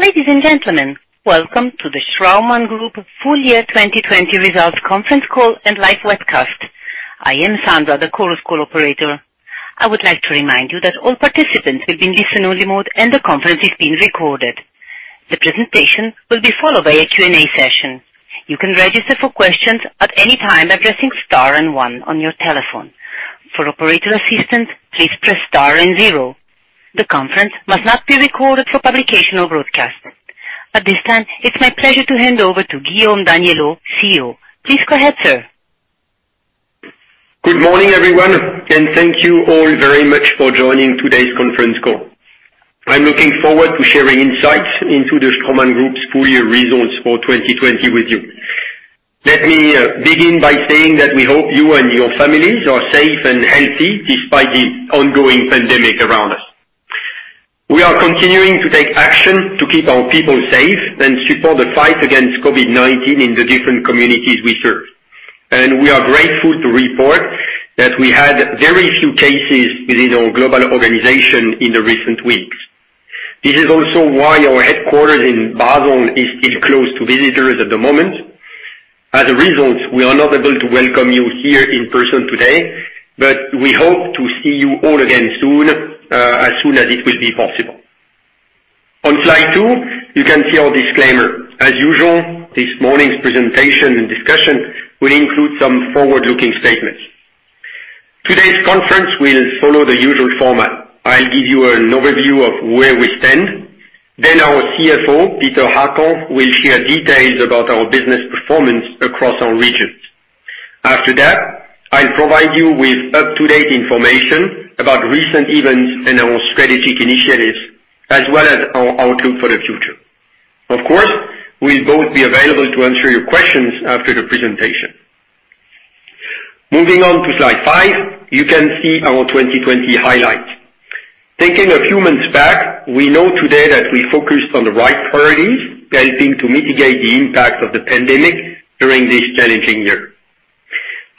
Ladies and gentlemen, welcome to the Straumann Group full year 2020 results conference call and live webcast. I am Sandra, the chorus call operator. I would like to remind you that all participants will be in listen only mode, and the conference is being recorded. The presentation will be followed by a Q&A session. You can register for questions at any time by pressing star and one on your telephone. For operator assistance, please press star and zero. The conference must not be recorded for publication or broadcast. At this time, it's my pleasure to hand over to Guillaume Daniellot, CEO. Please go ahead, sir. Good morning, everyone. Thank you all very much for joining today's conference call. I'm looking forward to sharing insights into the Straumann Group's full year results for 2020 with you. Let me begin by saying that we hope you and your families are safe and healthy despite the ongoing pandemic around us. We are continuing to take action to keep our people safe and support the fight against COVID-19 in the different communities we serve. We are grateful to report that we had very few cases within our global organization in the recent weeks. This is also why our headquarters in Basel is still closed to visitors at the moment. As a result, we are not able to welcome you here in person today, but we hope to see you all again soon, as soon as it will be possible. On slide two, you can see our disclaimer. As usual, this morning's presentation and discussion will include some forward-looking statements. Today's conference will follow the usual format. I'll give you an overview of where we stand, then our CFO, Peter Hackel, will share details about our business performance across our regions. After that, I'll provide you with up-to-date information about recent events and our strategic initiatives, as well as our outlook for the future. Of course, we'll both be available to answer your questions after the presentation. Moving on to slide five, you can see our 2020 highlights. Taking a few months back, we know today that we focused on the right priorities, helping to mitigate the impact of the pandemic during this challenging year.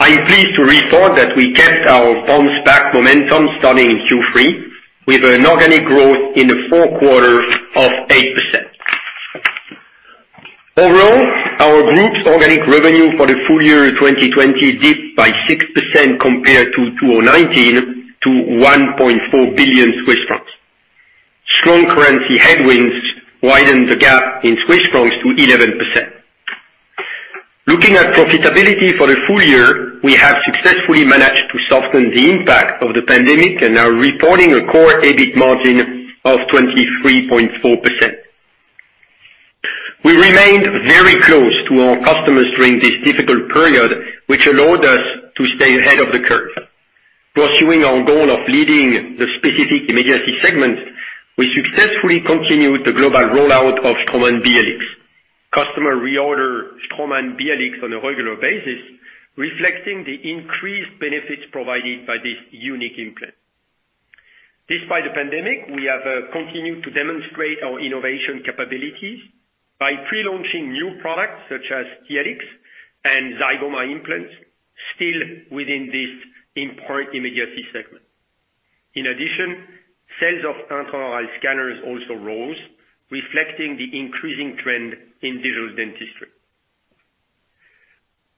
I'm pleased to report that we kept our bounce back momentum starting in Q3 with an organic growth in the four quarters of 8%. Overall, our group's organic revenue for the full year 2020 dipped by 6% compared to 2019 to 1.4 billion Swiss francs. Strong currency headwinds widened the gap in CHF to 11%. Looking at profitability for the full year, we have successfully managed to soften the impact of the pandemic and are reporting a core EBIT margin of 23.4%. We remained very close to our customers during this difficult period, which allowed us to stay ahead of the curve. Pursuing our goal of leading the specific immediacy segment, we successfully continued the global rollout of Straumann BLX. Customer reorder Straumann BLX on a regular basis, reflecting the increased benefits provided by this unique implant. Despite the pandemic, we have continued to demonstrate our innovation capabilities by pre-launching new products such as Tiyarik and Zygoma implants, still within this important immediacy segment. In addition, sales of intraoral scanners also rose, reflecting the increasing trend in digital dentistry.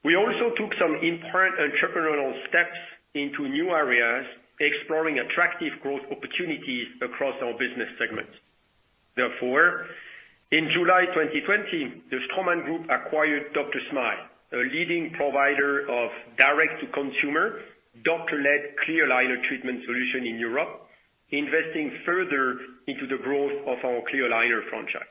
We also took some important entrepreneurial steps into new areas, exploring attractive growth opportunities across our business segments. In July 2020, the Straumann Group acquired DrSmile, a leading provider of direct-to-consumer, doctor-led clear aligner treatment solution in Europe, investing further into the growth of our clear aligner franchise.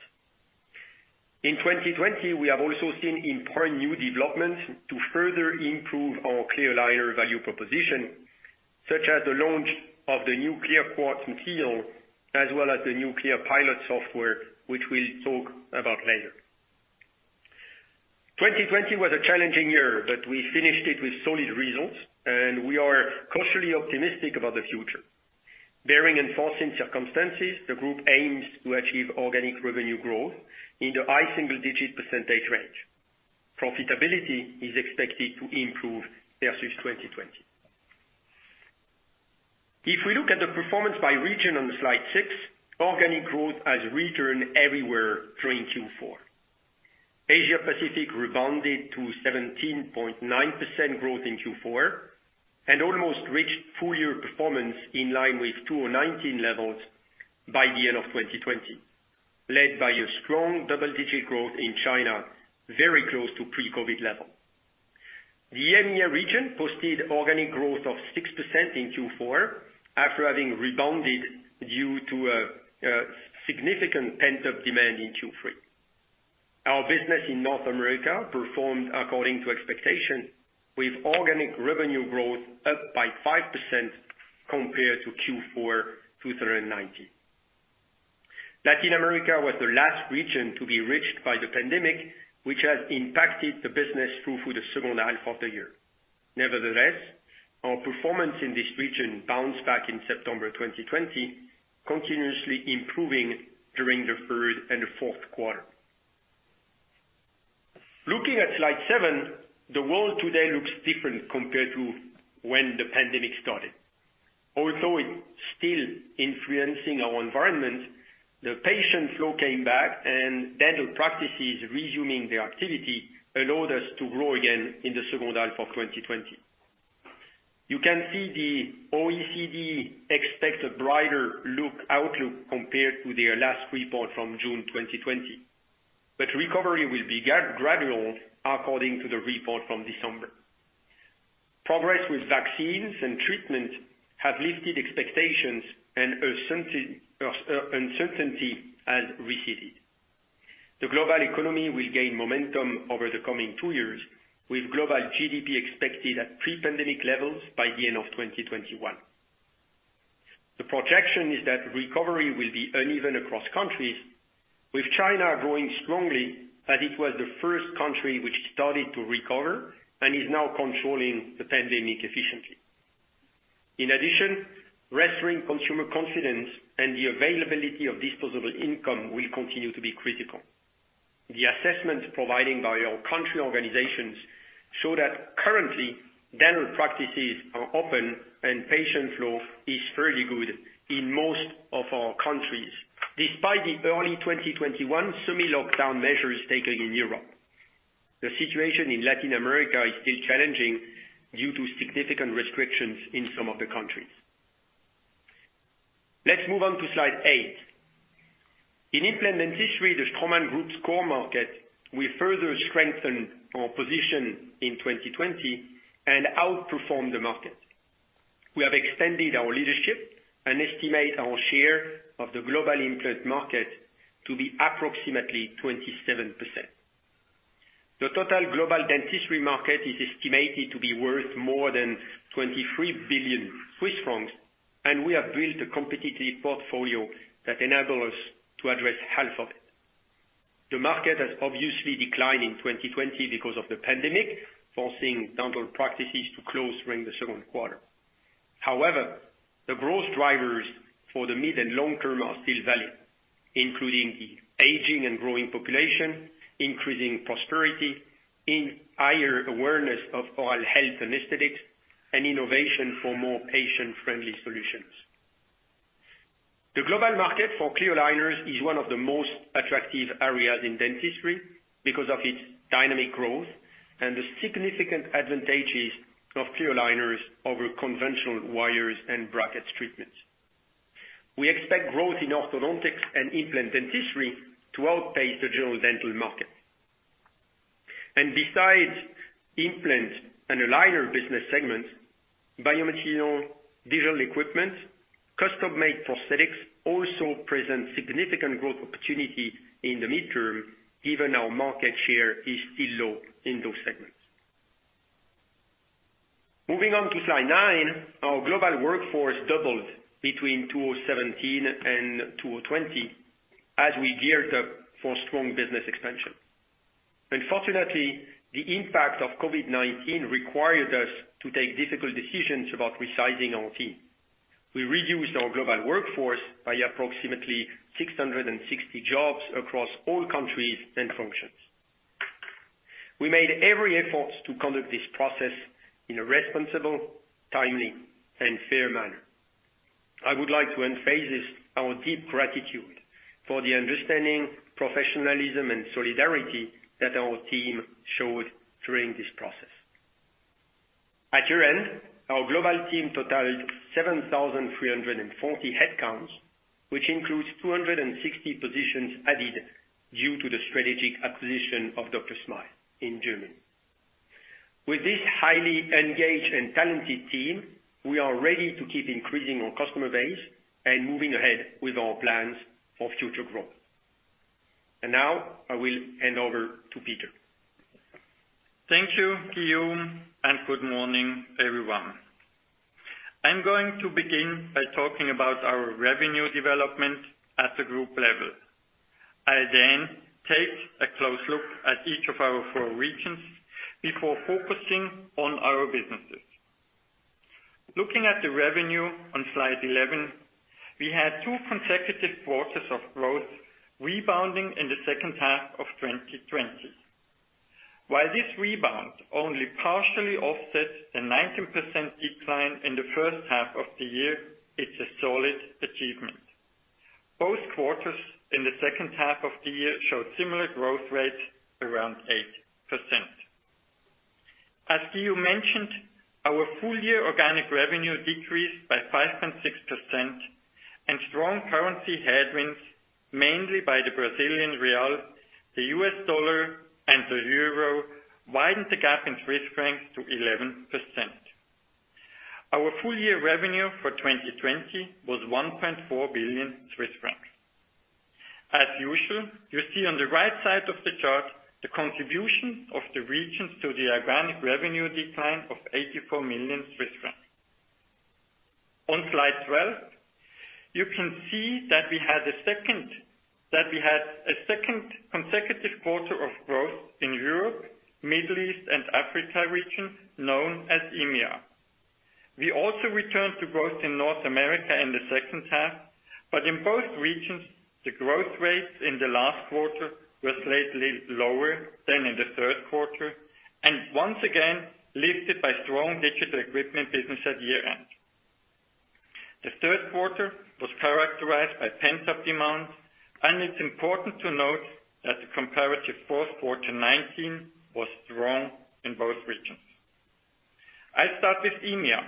In 2020, we have also seen important new developments to further improve our clear aligner value proposition, such as the launch of the new ClearQuartz material, as well as the new ClearPilot software, which we'll talk about later. 2020 was a challenging year, but we finished it with solid results, and we are cautiously optimistic about the future. Bearing enforcing circumstances, the group aims to achieve organic revenue growth in the high single digit % range. Profitability is expected to improve versus 2020. If we look at the performance by region on slide six, organic growth has returned everywhere during Q4. Asia Pacific rebounded to 17.9% growth in Q4 and almost reached full year performance in line with 2019 levels by the end of 2020, led by a strong double-digit growth in China, very close to pre-COVID-19 level. The EMEA region posted organic growth of 6% in Q4 after having rebounded due to a significant pent-up demand in Q3. Our business in North America performed according to expectation, with organic revenue growth up by 5% compared to Q4 2019. Latin America was the last region to be reached by the pandemic, which has impacted the business through the second half of the year. Nevertheless, our performance in this region bounced back in September 2020, continuously improving during the third and fourth quarter. Looking at slide seven, the world today looks different compared to when the pandemic started. It's still influencing our environment, the patient flow came back, and dental practices resuming their activity allowed us to grow again in the second half of 2020. You can see the OECD expects a brighter outlook compared to their last report from June 2020. Recovery will be gradual according to the report from December. Progress with vaccines and treatment have lifted expectations and uncertainty has receded. The global economy will gain momentum over the coming two years, with global GDP expected at pre-pandemic levels by the end of 2021. The projection is that recovery will be uneven across countries, with China growing strongly as it was the first country which started to recover and is now controlling the pandemic efficiently. Restoring consumer confidence and the availability of disposable income will continue to be critical. The assessment provided by our country organizations show that currently, dental practices are open and patient flow is fairly good in most of our countries, despite the early 2021 semi-lockdown measures taken in Europe. The situation in Latin America is still challenging due to significant restrictions in some of the countries. Let's move on to slide eight. In implant dentistry, the Straumann Group's core market, we further strengthened our position in 2020 and outperformed the market. We have extended our leadership and estimate our share of the global implant market to be approximately 27%. The total global dentistry market is estimated to be worth more than 23 billion Swiss francs, and we have built a competitive portfolio that enable us to address half of it. The market has obviously declined in 2020 because of the pandemic, forcing dental practices to close during the second quarter. However, the growth drivers for the mid and long term are still valid, including the aging and growing population, increasing prosperity, higher awareness of oral health and aesthetics, and innovation for more patient-friendly solutions. The global market for clear aligners is one of the most attractive areas in dentistry because of its dynamic growth and the significant advantages of clear aligners over conventional wires and brackets treatments. We expect growth in orthodontics and implant dentistry to outpace the general dental market. Besides implants and aligner business segments, biomaterial, digital equipment, custom-made prosthetics also present significant growth opportunity in the mid-term, given our market share is still low in those segments. Moving on to slide nine, our global workforce doubled between 2017 and 2020 as we geared up for strong business expansion. Unfortunately, the impact of COVID-19 required us to take difficult decisions about resizing our team. We reduced our global workforce by approximately 660 jobs across all countries and functions. We made every effort to conduct this process in a responsible, timely, and fair manner. I would like to emphasize our deep gratitude for the understanding, professionalism, and solidarity that our team showed during this process. At year-end, our global team totaled 7,340 headcounts, which includes 260 positions added due to the strategic acquisition of DrSmile in Germany. With this highly engaged and talented team, we are ready to keep increasing our customer base and moving ahead with our plans for future growth. Now I will hand over to Peter. Thank you, Guillaume, good morning, everyone. I'm going to begin by talking about our revenue development at the group level. I then take a close look at each of our four regions before focusing on our businesses. Looking at the revenue on slide 11, we had two consecutive quarters of growth rebounding in the second half of 2020. While this rebound only partially offsets the 19% decline in the first half of the year, it's a solid achievement. Both quarters in the second half of the year showed similar growth rates around 8%. As Guillaume mentioned, our full year organic revenue decreased by 5.6%, strong currency headwinds, mainly by the Brazilian real, the U.S. dollar, and the euro widened the gap in Swiss francs to 11%. Our full year revenue for 2020 was 1.4 billion Swiss francs. As usual, you see on the right side of the chart the contribution of the regions to the organic revenue decline of 84 million Swiss francs. On slide 12, you can see that we had a second consecutive quarter of growth in Europe, Middle East, and Africa region, known as EMEA. We also returned to growth in North America in the second half. In both regions, the growth rates in the last quarter were slightly lower than in the third quarter, and once again lifted by strong digital equipment business at year-end. The third quarter was characterized by pent-up demand, and it's important to note that the comparative fourth quarter 2019 was strong in both regions. I'll start with EMEA,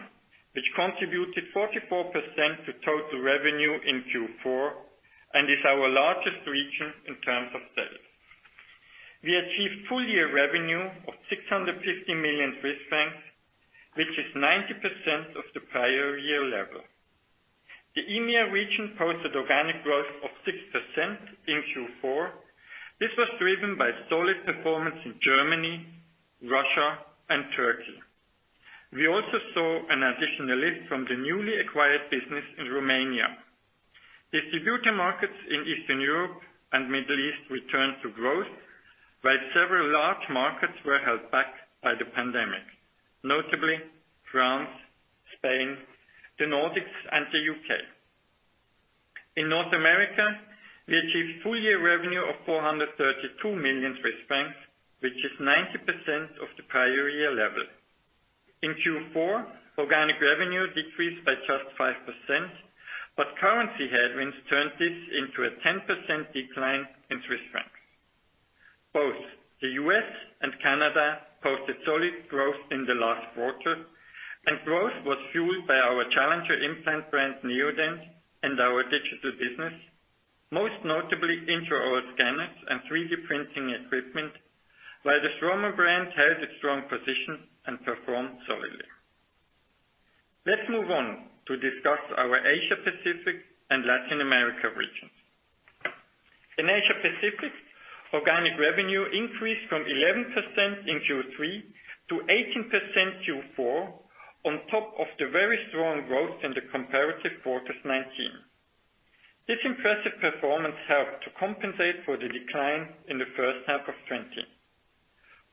which contributed 44% to total revenue in Q4 and is our largest region in terms of sales. We achieved full-year revenue of 650 million Swiss francs, which is 90% of the prior-year level. The EMEA region posted organic growth of 6% in Q4. This was driven by solid performance in Germany, Russia, and Turkey. We also saw an additional lift from the newly acquired business in Romania. Distributor markets in Eastern Europe and Middle East returned to growth, while several large markets were held back by the pandemic, notably France, Spain, the Nordics, and the U.K. In North America, we achieved full-year revenue of 432 million Swiss francs, which is 90% of the prior-year level. In Q4, organic revenue decreased by just 5%, but currency headwinds turned this into a 10% decline in CHF. Both the U.S. and Canada posted solid growth in the last quarter, and growth was fueled by our challenger implant brand Neodent and our digital business, most notably intraoral scanners and 3D printing equipment, while the Straumann brand held its strong position and performed solidly. Let's move on to discuss our Asia-Pacific and Latin America regions. In Asia-Pacific, organic revenue increased from 11% in Q3 to 18% Q4 on top of the very strong growth in the comparative quarter 2019. This impressive performance helped to compensate for the decline in the first half of 2020.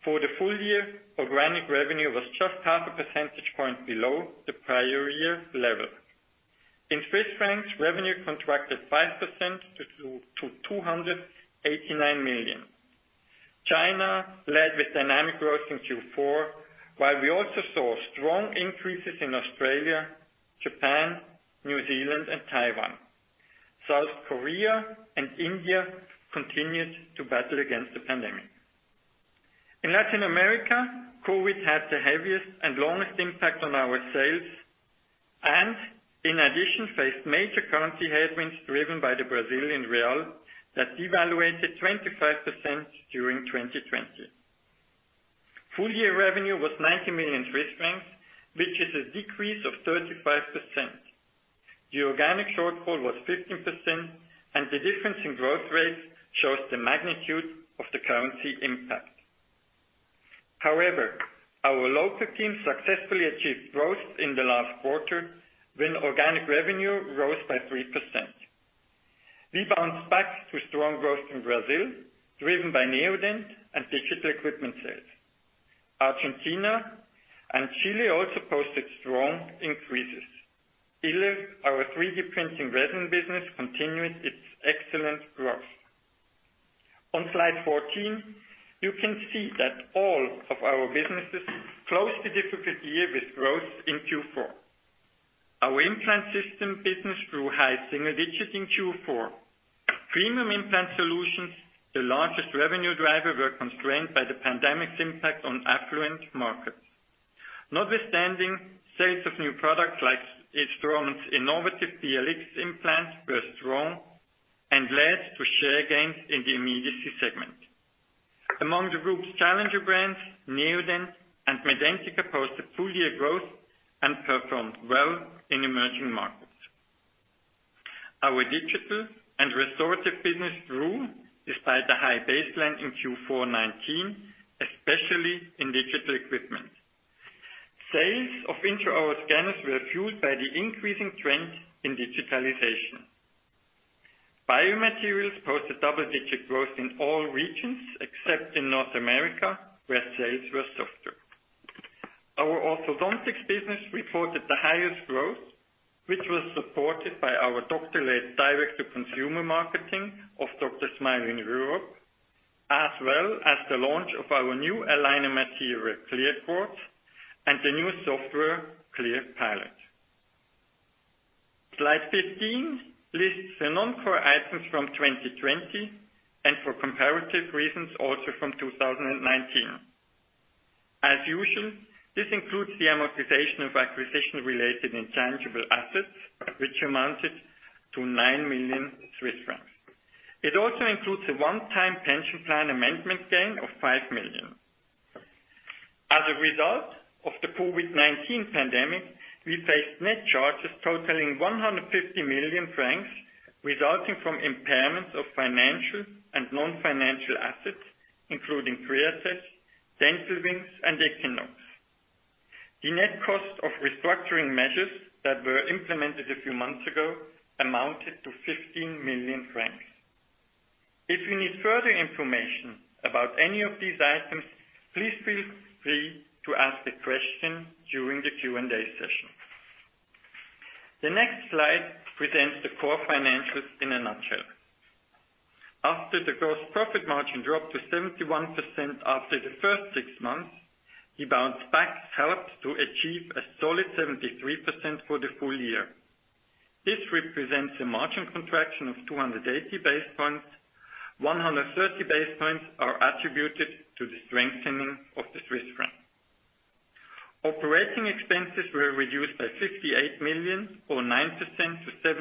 For the full year, organic revenue was just half a percentage point below the prior-year level. In CHF revenue contracted 5% to 289 million. China led with dynamic growth in Q4, while we also saw strong increases in Australia, Japan, New Zealand, and Taiwan. South Korea and India continued to battle against the pandemic. In Latin America, COVID had the heaviest and longest impact on our sales, and in addition, faced major currency headwinds driven by the Brazilian real that devaluated 25% during 2020. Full-year revenue was 90 million, which is a decrease of 35%. The organic shortfall was 15%, and the difference in growth rates shows the magnitude of the currency impact. However, our local team successfully achieved growth in the last quarter when organic revenue rose by 3%. We bounced back to strong growth in Brazil, driven by Neodent and digital equipment sales. Argentina and Chile also posted strong increases. Our 3D printing resin business continued its excellent growth. On slide 14, you can see that all of our businesses closed the difficult year with growth in Q4. Our implant system business grew high single digits in Q4. Premium implant solutions, the largest revenue driver, were constrained by the pandemic's impact on affluent markets. Notwithstanding sales of new products like Straumann's innovative BLX implants were strong and led to share gains in the immediacy segment. Among the group's challenger brands, Neodent and Medentika posted full-year growth and performed well in emerging markets. Our digital and restorative business grew despite a high baseline in Q4 2019, especially in digital equipment. Sales of intraoral scanners were fueled by the increasing trend in digitalization. Biomaterials posted double-digit growth in all regions except in North America, where sales were softer. Our orthodontics business reported the highest growth, which was supported by our doctor-led direct-to-consumer marketing of DrSmile in Europe, as well as the launch of our new aligner material, ClearQuartz, and the new software, ClearPilot. Slide 15 lists the non-core items from 2020, and for comparative reasons, also from 2019. As usual, this includes the amortization of acquisition-related intangible assets, which amounted to 9 million Swiss francs. It also includes a one-time pension plan amendment gain of 5 million. As a result of the COVID-19 pandemic, we faced net charges totaling 150 million francs resulting from impairments of financial and non-financial assets, including Createch, Dental Wings, and Equinox. The net cost of restructuring measures that were implemented a few months ago amounted to 15 million francs. If you need further information about any of these items, please feel free to ask a question during the Q&A session. The next slide presents the core financials in a nutshell. After the gross profit margin dropped to 71% after the first six months, the bounce backs helped to achieve a solid 73% for the full year. This represents a margin contraction of 280 basis points. 130 basis points are attributed to the strengthening of the CHF. Operating expenses were reduced by 58 million or 9% to 705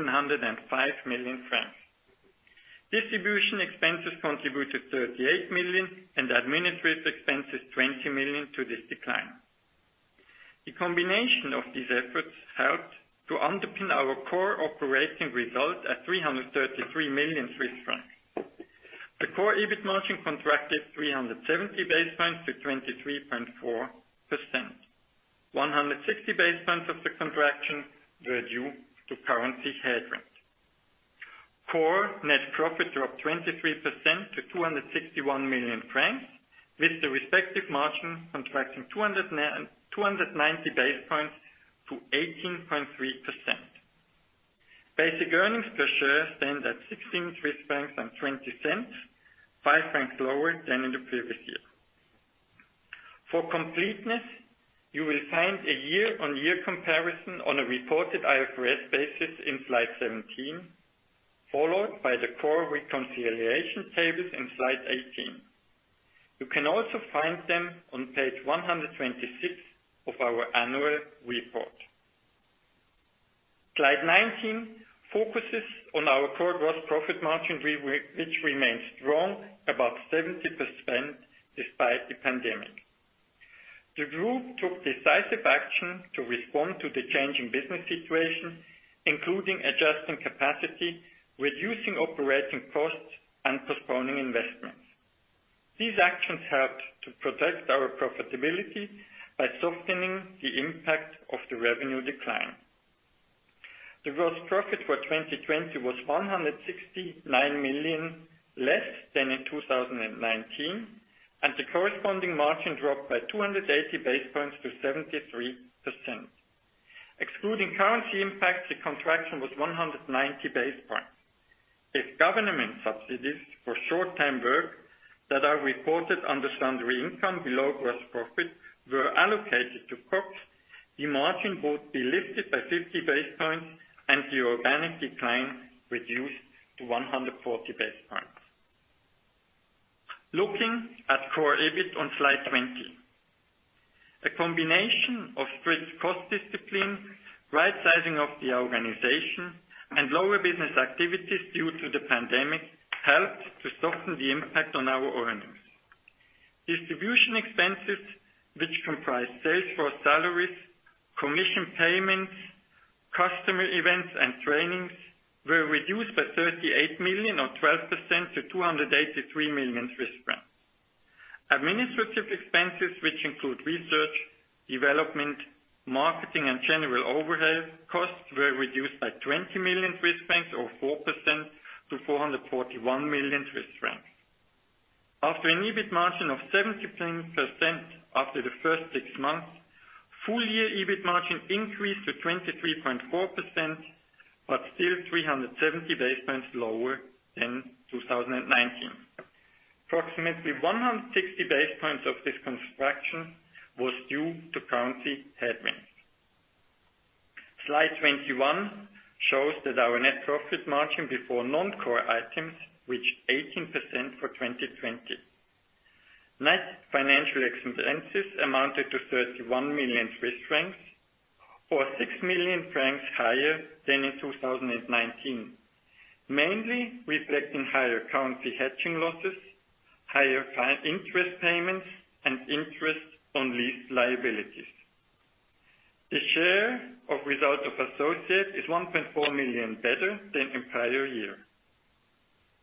million francs. Distribution expenses contributed 38 million and administrative expenses, 20 million to this decline. The combination of these efforts helped to underpin our core operating result at 333 million Swiss francs. The core EBIT margin contracted 370 basis points to 23.4%. 160 basis points of the contraction were due to currency headwind. Core net profit dropped 23% to 261 million francs, with the respective margin contracting 290 basis points to 18.3%. Basic earnings per share stand at 16.20 Swiss francs, 5 francs lower than in the previous year. For completeness, you will find a year-on-year comparison on a reported IFRS basis in Slide 17, followed by the core reconciliation tables in Slide 18. You can also find them on Page 126 of our annual report. Slide 19 focuses on our core gross profit margin, which remains strong, above 70%, despite the pandemic. The group took decisive action to respond to the changing business situation, including adjusting capacity, reducing operating costs, and postponing investments. These actions helped to protect our profitability by softening the impact of the revenue decline. The gross profit for 2020 was 169 million less than in 2019, and the corresponding margin dropped by 280 basis points to 73%. Excluding currency impact, the contraction was 190 basis points. If government subsidies for short-term work that are reported under sundry income below gross profit were allocated to COGS, the margin would be lifted by 50 basis points and the organic decline reduced to 140 basis points. Looking at core EBIT on Slide 20. A combination of strict cost discipline, right-sizing of the organization, and lower business activities due to the pandemic helped to soften the impact on our earnings. Distribution expenses, which comprise sales force salaries, commission payments, customer events, and trainings, were reduced by 38 million or 12% to 283 million Swiss francs. Administrative expenses, which include research, development, marketing, and general overhead costs, were reduced by 20 million Swiss francs or 4% to 441 million Swiss francs. After an EBIT margin of 17% after the first six months, full year EBIT margin increased to 23.4%, still 370 basis points lower than 2019. Approximately 160 basis points of this contraction was due to currency headwinds. Slide 21 shows that our net profit margin before non-core items reached 18% for 2020. Net financial expenses amounted to 31 million Swiss francs or 6 million francs higher than in 2019, mainly reflecting higher currency hedging losses, higher interest payments, and interest on leased liabilities. The share of result of associates is 1.4 million better than in prior year.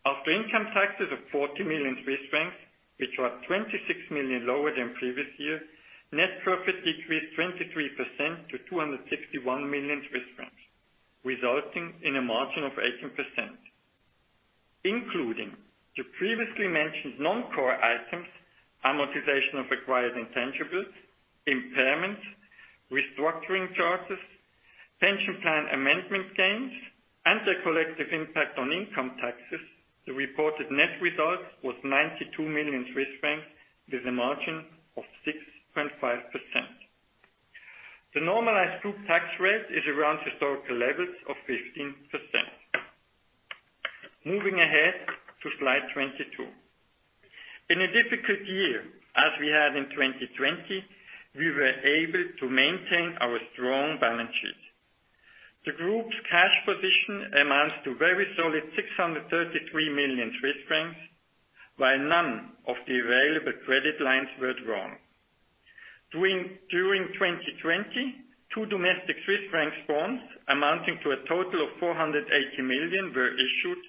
After income taxes of 40 million Swiss francs, which are 26 million lower than previous year, net profit decreased 23% to 261 million Swiss francs, resulting in a margin of 18%. Including the previously mentioned non-core items, amortization of acquired intangibles, impairments, restructuring charges, pension plan amendment gains, and their collective impact on income taxes, the reported net result was 92 million Swiss francs with a margin of 6.5%. The normalized group tax rate is around historical levels of 15%. Moving ahead to Slide 22. In a difficult year, as we had in 2020, we were able to maintain our strong balance sheet. The group's cash position amounts to very solid 633 million Swiss francs, while none of the available credit lines were drawn. During 2020, two domestic Swiss francs bonds amounting to a total of 480 million were issued.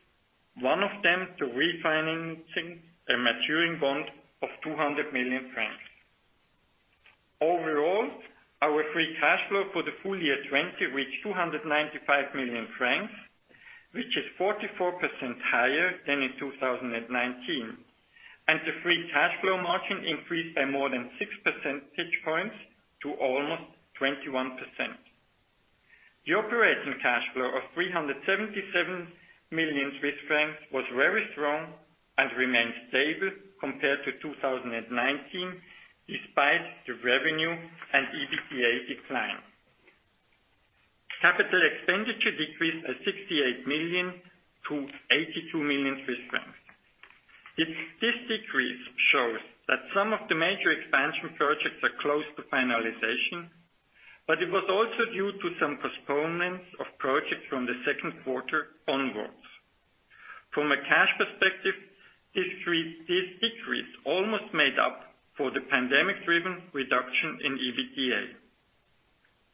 One of them to refinancing a maturing bond of 200 million francs. Our free cash flow for the full year 2020 reached 295 million francs, which is 44% higher than in 2019, and the free cash flow margin increased by more than 6 percentage points to almost 21%. The operating cash flow of 377 million Swiss francs was very strong and remained stable compared to 2019, despite the revenue and EBITDA decline. Capital expenditure decreased by 68 million to 82 million Swiss francs. This decrease shows that some of the major expansion projects are close to finalization, but it was also due to some postponements of projects from the second quarter onwards. From a cash perspective, this decrease almost made up for the pandemic-driven reduction in EBITDA.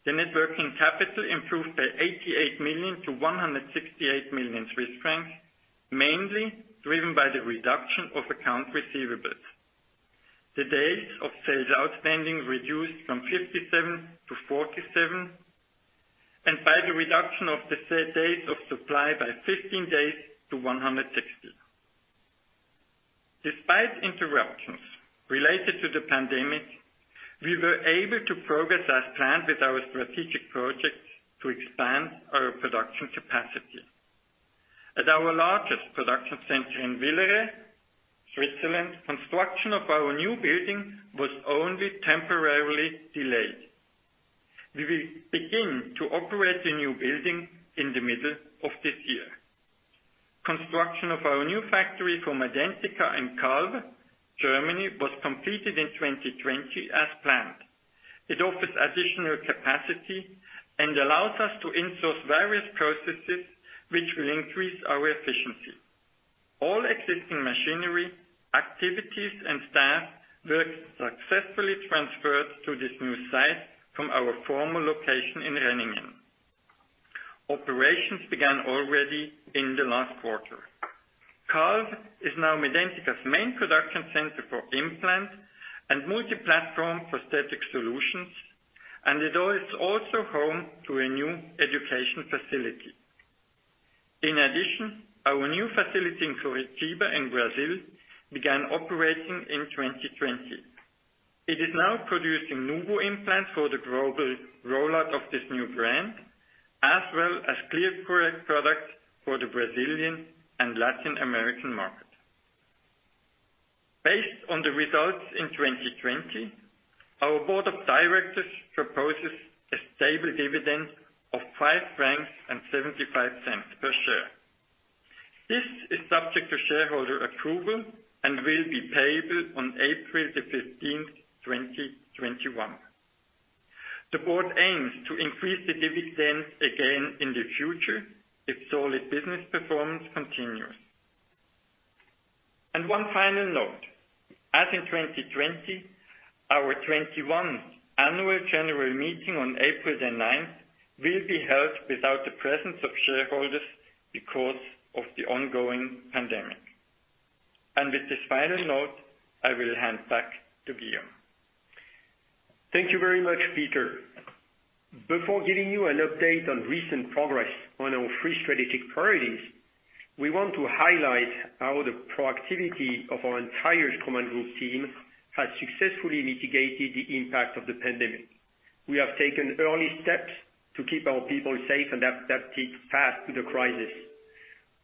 The net working capital improved by 88 million to 168 million Swiss francs, mainly driven by the reduction of accounts receivables. The days of sales outstanding reduced from 57 to 47, and by the reduction of the days of supply by 15 days to 160. Despite interruptions related to the pandemic, we were able to progress as planned with our strategic projects to expand our production capacity. At our largest production center in Villeret, Switzerland, construction of our new building was only temporarily delayed. We will begin to operate the new building in the middle of this year. Construction of our new factory for Medentika in Calw, Germany, was completed in 2020 as planned. It offers additional capacity and allows us to insource various processes, which will increase our efficiency. All existing machinery, activities, and staff were successfully transferred to this new site from our former location in Renningen. Operations began already in the last quarter. Calw is now Medentika's main production center for implant and multi-platform prosthetic solutions, and it is also home to a new education facility. In addition, our new facility in Curitiba in Brazil began operating in 2020. It is now producing new implants for the global rollout of this new brand, as well as clear product for the Brazilian and Latin American market. Based on the results in 2020, our board of directors proposes a stable dividend of 5.75 francs per share. This is subject to shareholder approval and will be payable on April the 15th, 2021. The board aims to increase the dividends again in the future if solid business performance continues. One final note. As in 2020, our 2021 Annual General Meeting on April the 9th will be held without the presence of shareholders because of the ongoing pandemic. With this final note, I will hand back to Guillaume. Thank you very much, Peter. Before giving you an update on recent progress on our three strategic priorities, we want to highlight how the proactivity of our entire Straumann Group team has successfully mitigated the impact of the pandemic. We have taken early steps to keep our people safe and adapted fast to the crisis.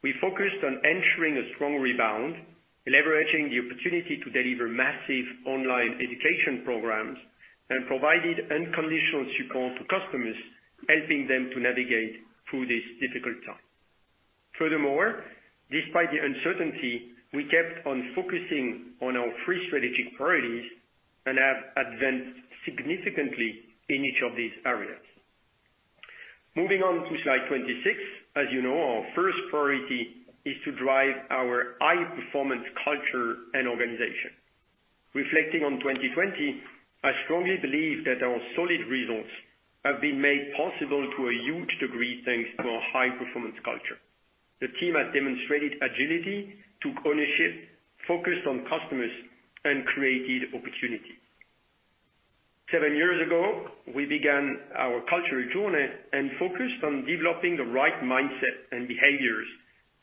We focused on ensuring a strong rebound, leveraging the opportunity to deliver massive online education programs, and provided unconditional support to customers, helping them to navigate through this difficult time. Furthermore, despite the uncertainty, we kept on focusing on our three strategic priorities and have advanced significantly in each of these areas. Moving on to slide 26, as you know, our first priority is to drive our high-performance culture and organization. Reflecting on 2020, I strongly believe that our solid results have been made possible to a huge degree, thanks to our high-performance culture. The team has demonstrated agility, took ownership, focused on customers, and created opportunity. Seven years ago, we began our cultural journey and focused on developing the right mindset and behaviors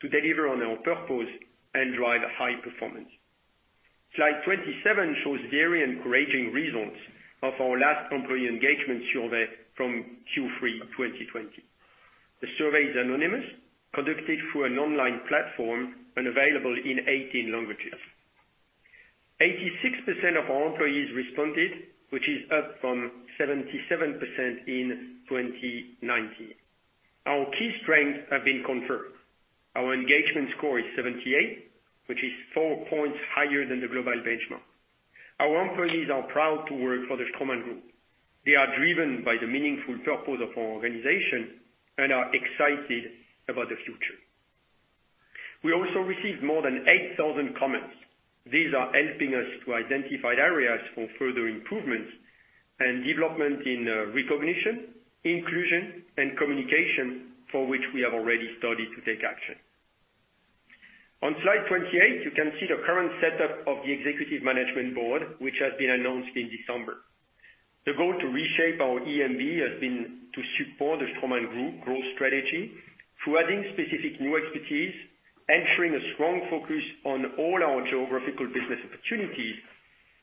to deliver on our purpose and drive high performance. Slide 27 shows very encouraging results of our last employee engagement survey from Q3 2020. The survey is anonymous, conducted through an online platform, and available in 18 languages. 86% of our employees responded, which is up from 77% in 2019. Our key strengths have been confirmed. Our engagement score is 78, which is four points higher than the global benchmark. Our employees are proud to work for the Straumann Group. They are driven by the meaningful purpose of our organization and are excited about the future. We also received more than 8,000 comments. These are helping us to identify areas for further improvements and development in recognition, inclusion, and communication, for which we have already started to take action. On slide 28, you can see the current setup of the Executive Management Board, which has been announced in December. The goal to reshape our EMB has been to support the Straumann Group growth strategy through adding specific new expertise, ensuring a strong focus on all our geographical business opportunities,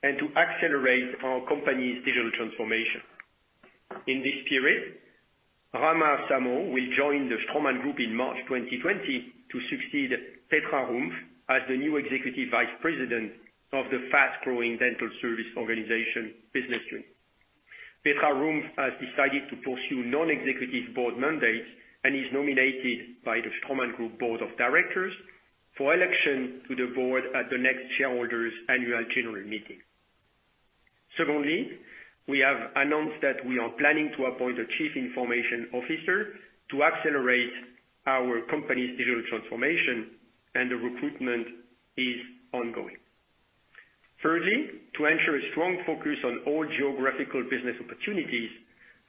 and to accelerate our company's digital transformation. In this period, Rahma Samow will join the Straumann Group in March 2020 to succeed Petra Rumpf as the new Executive Vice President of the fast-growing Dental Service Organization Business Unit. Petra Rumpf has decided to pursue non-executive board mandates and is nominated by the Straumann Group board of directors for election to the board at the next shareholders' annual general meeting. Secondly, we have announced that we are planning to appoint a Chief Information Officer to accelerate our company's digital transformation, and the recruitment is ongoing. Thirdly, to ensure a strong focus on all geographical business opportunities,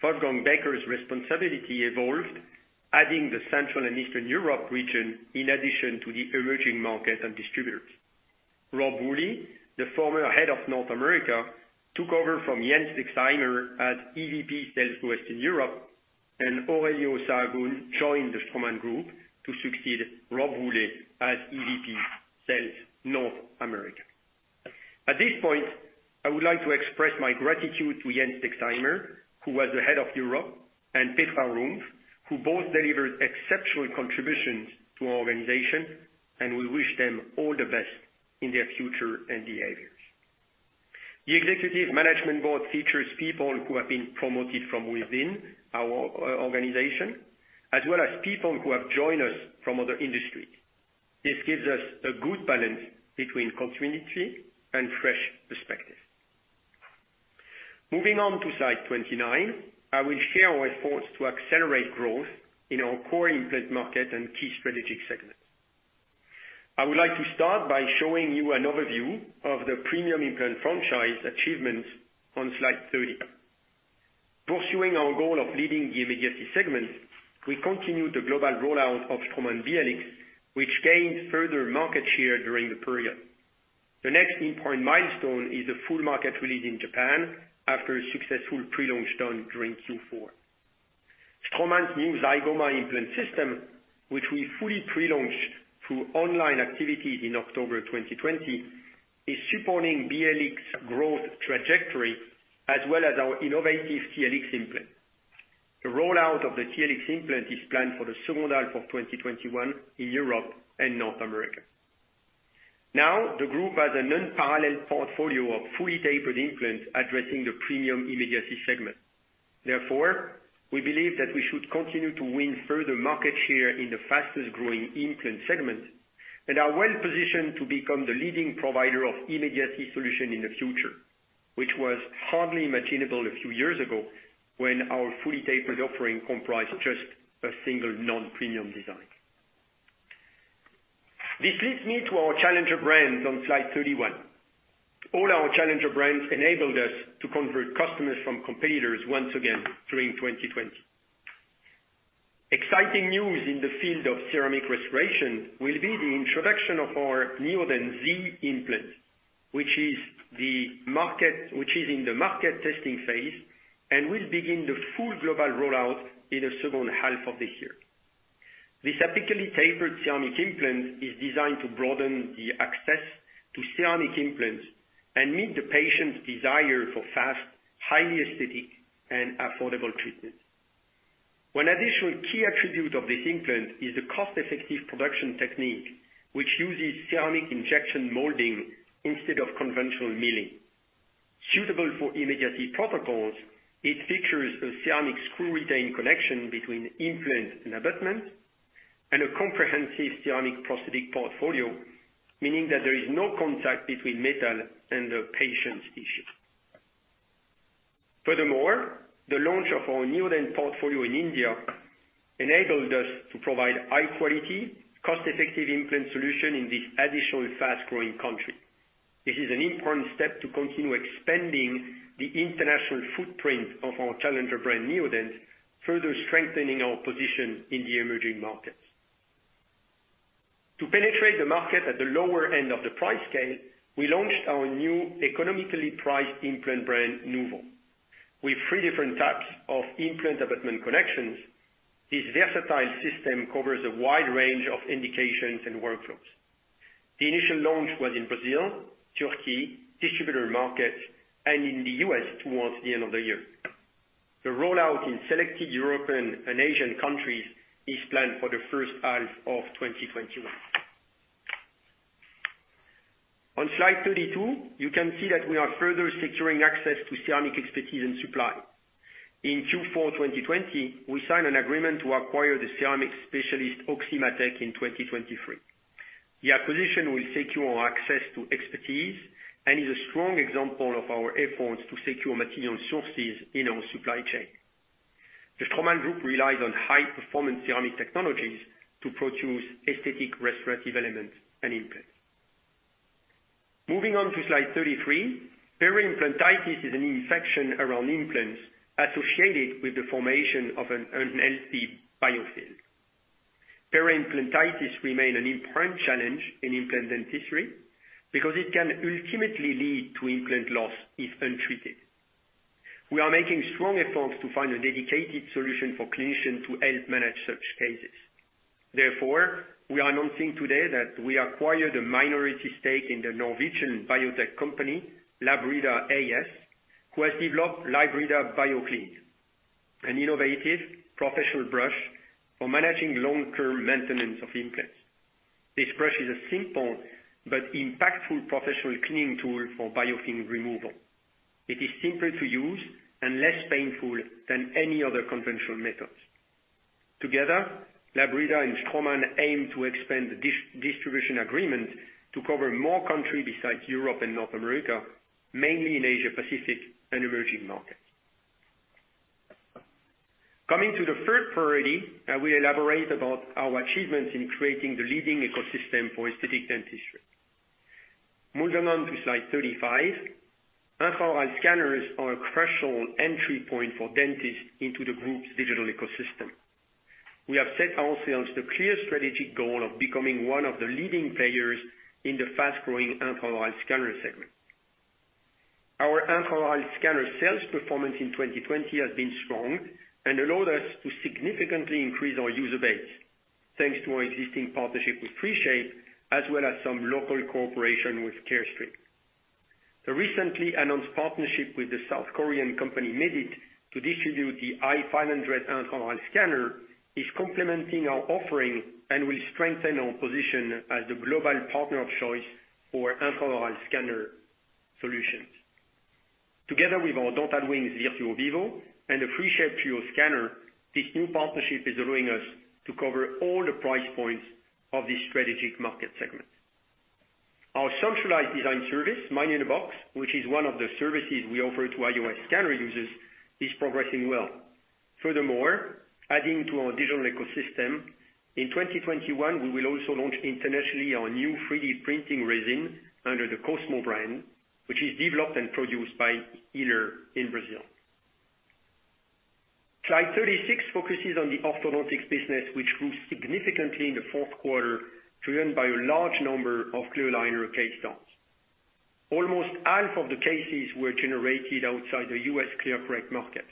Wolfgang Becker's responsibility evolved, adding the Central and Eastern Europe region in addition to the emerging market and distributors. Rob Woolley, the former head of North America, took over from Jens Dexheimer as EVP Sales Western Europe, and Aurelio Sahagun joined the Straumann Group to succeed Rob Woolley as EVP Sales North America. At this point, I would like to express my gratitude to Jens Dexheimer, who was the head of Europe, and Petra Rumpf, who both delivered exceptional contributions to our organization, and we wish them all the best in their future endeavors. The executive management board features people who have been promoted from within our organization, as well as people who have joined us from other industries. This gives us a good balance between continuity and fresh perspective. Moving on to slide 29, I will share our efforts to accelerate growth in our core implant market and key strategic segments. I would like to start by showing you an overview of the premium implant franchise achievements on slide 30. Pursuing our goal of leading the immediacy segment, we continue the global rollout of Straumann BLX, which gained further market share during the period. The next important milestone is the full market release in Japan after a successful pre-launch done during Q4. Straumann's new Zygoma implant system, which we fully pre-launched through online activities in October 2020, is supporting BLX growth trajectory as well as our innovative TLX implant. The rollout of the TLX implant is planned for the second half of 2021 in Europe and North America. The group has an unparalleled portfolio of fully tapered implants addressing the premium immediacy segment. We believe that we should continue to win further market share in the fastest-growing implant segment and are well positioned to become the leading provider of immediacy solution in the future, which was hardly imaginable a few years ago when our fully tapered offering comprised just a single non-premium design. This leads me to our challenger brands on slide 31. All our challenger brands enabled us to convert customers from competitors once again during 2020. Exciting news in the field of ceramic restoration will be the introduction of our Neodent Zi implant, which is in the market testing phase and will begin the full global rollout in the second half of this year. This apically tapered ceramic implant is designed to broaden the access to ceramic implants and meet the patient's desire for fast, highly aesthetic, and affordable treatment. One additional key attribute of this implant is the cost-effective production technique, which uses ceramic injection molding instead of conventional milling. Suitable for immediacy protocols, it features a ceramic screw-retained connection between implant and abutment and a comprehensive ceramic prosthetic portfolio, meaning that there is no contact between metal and the patient's tissue. Furthermore, the launch of our Neodent portfolio in India enabled us to provide high-quality, cost-effective implant solution in this additional fast-growing country. This is an important step to continue expanding the international footprint of our challenger brand, Neodent, further strengthening our position in the emerging markets. To penetrate the market at the lower end of the price scale, we launched our new economically priced implant brand, NUVO. With three different types of implant-abutment connections, this versatile system covers a wide range of indications and workflows. The initial launch was in Brazil, Turkey, distributor markets, and in the U.S. towards the end of the year. The rollout in selected European and Asian countries is planned for the first half of 2021. On slide 32, you can see that we are further securing access to ceramic expertise and supply. In Q4 2020, we signed an agreement to acquire the ceramic specialist, OxiMaTec, in 2023. The acquisition will secure our access to expertise and is a strong example of our efforts to secure material sources in our supply chain. The Straumann Group relies on high-performance ceramic technologies to produce aesthetic restorative elements and implants. Moving on to slide 33. Peri-implantitis is an infection around implants associated with the formation of an unhealthy biofilm. Peri-implantitis remain an important challenge in implant dentistry because it can ultimately lead to implant loss if untreated. We are making strong efforts to find a dedicated solution for clinicians to help manage such cases. Therefore, we are announcing today that we acquired a minority stake in the Norwegian biotech company, Labrida AS, who has developed Labrida BioClean, an innovative professional brush for managing long-term maintenance of implants. This brush is a simple but impactful professional cleaning tool for biofilm removal. It is simple to use and less painful than any other conventional methods. Together, Labrida and Straumann aim to expand the distribution agreement to cover more countries besides Europe and North America, mainly in Asia Pacific and emerging markets. Coming to the third priority, I will elaborate about our achievements in creating the leading ecosystem for aesthetic dentistry. Moving on to slide 35. Intraoral scanners are a crucial entry point for dentists into the group's digital ecosystem. We have set ourselves the clear strategic goal of becoming one of the leading players in the fast-growing intraoral scanner segment. Our intraoral scanner sales performance in 2020 has been strong and allowed us to significantly increase our user base, thanks to our existing partnership with 3Shape, as well as some local cooperation with Carestream. The recently announced partnership with the South Korean company, Medit, to distribute the i500 intraoral scanner is complementing our offering and will strengthen our position as the global partner of choice for intraoral scanner solutions. Together with our Dental Wings Virtuo Vivo and the 3Shape TRIOS scanner, this new partnership is allowing us to cover all the price points of this strategic market segment. Our centralized design service, Smile in a Box, which is one of the services we offer to IOS scanner users, is progressing well. Furthermore, adding to our digital ecosystem, in 2021, we will also launch internationally our new 3D printing resin under the Cosmos brand, which is developed and produced by Yller in Brazil. Slide 36 focuses on the orthodontics business, which grew significantly in the fourth quarter, driven by a large number of clear aligner case starts. Almost half of the cases were generated outside the U.S. ClearCorrect market.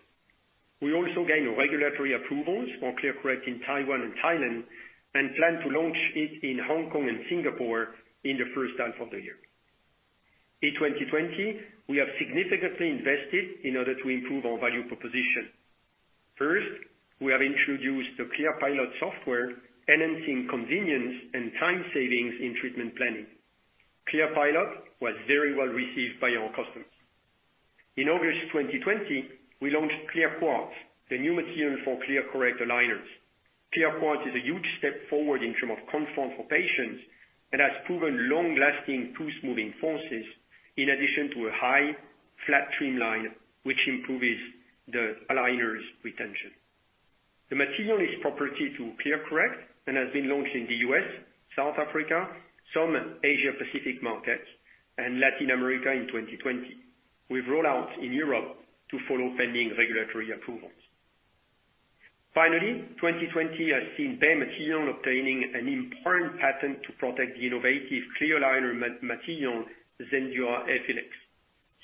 We also gained regulatory approvals for ClearCorrect in Taiwan and Thailand, and plan to launch it in Hong Kong and Singapore in the first half of the year. In 2020, we have significantly invested in order to improve our value proposition. First, we have introduced the ClearPilot software, enhancing convenience and time savings in treatment planning. ClearPilot was very well received by our customers. In August 2020, we launched ClearQuartz, the new material for ClearCorrect aligners. ClearQuartz is a huge step forward in terms of comfort for patients and has proven long-lasting tooth-moving forces, in addition to a high flat trim line, which improves the aligner's retention. The material is property to ClearCorrect and has been launched in the U.S., South Africa, some Asia Pacific markets, and Latin America in 2020, with rollouts in Europe to follow pending regulatory approvals. 2020 has seen Bay material obtaining an important patent to protect the innovative clear aligner material, Zendura FLX,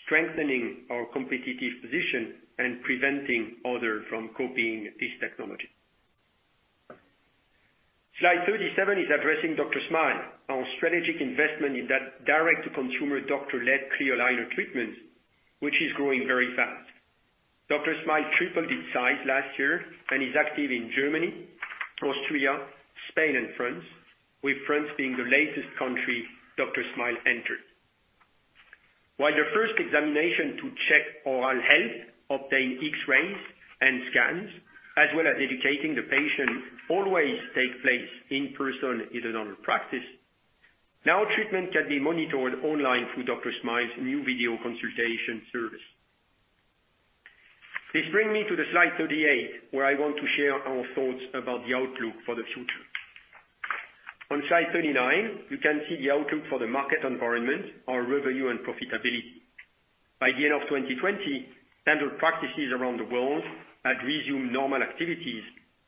strengthening our competitive position and preventing others from copying this technology. Slide 37 is addressing DrSmile, our strategic investment in that direct-to-consumer doctor-led clear aligner treatment, which is growing very fast. DrSmile tripled its size last year and is active in Germany, Austria, Spain, and France, with France being the latest country DrSmile entered. While the first examination to check oral health, obtain X-rays and scans, as well as educating the patient, always takes place in person in a dental practice, now treatment can be monitored online through DrSmile's new video consultation service. This brings me to slide 38, where I want to share our thoughts about the outlook for the future. On slide 39, you can see the outlook for the market environment, our revenue and profitability. By the end of 2020, dental practices around the world had resumed normal activities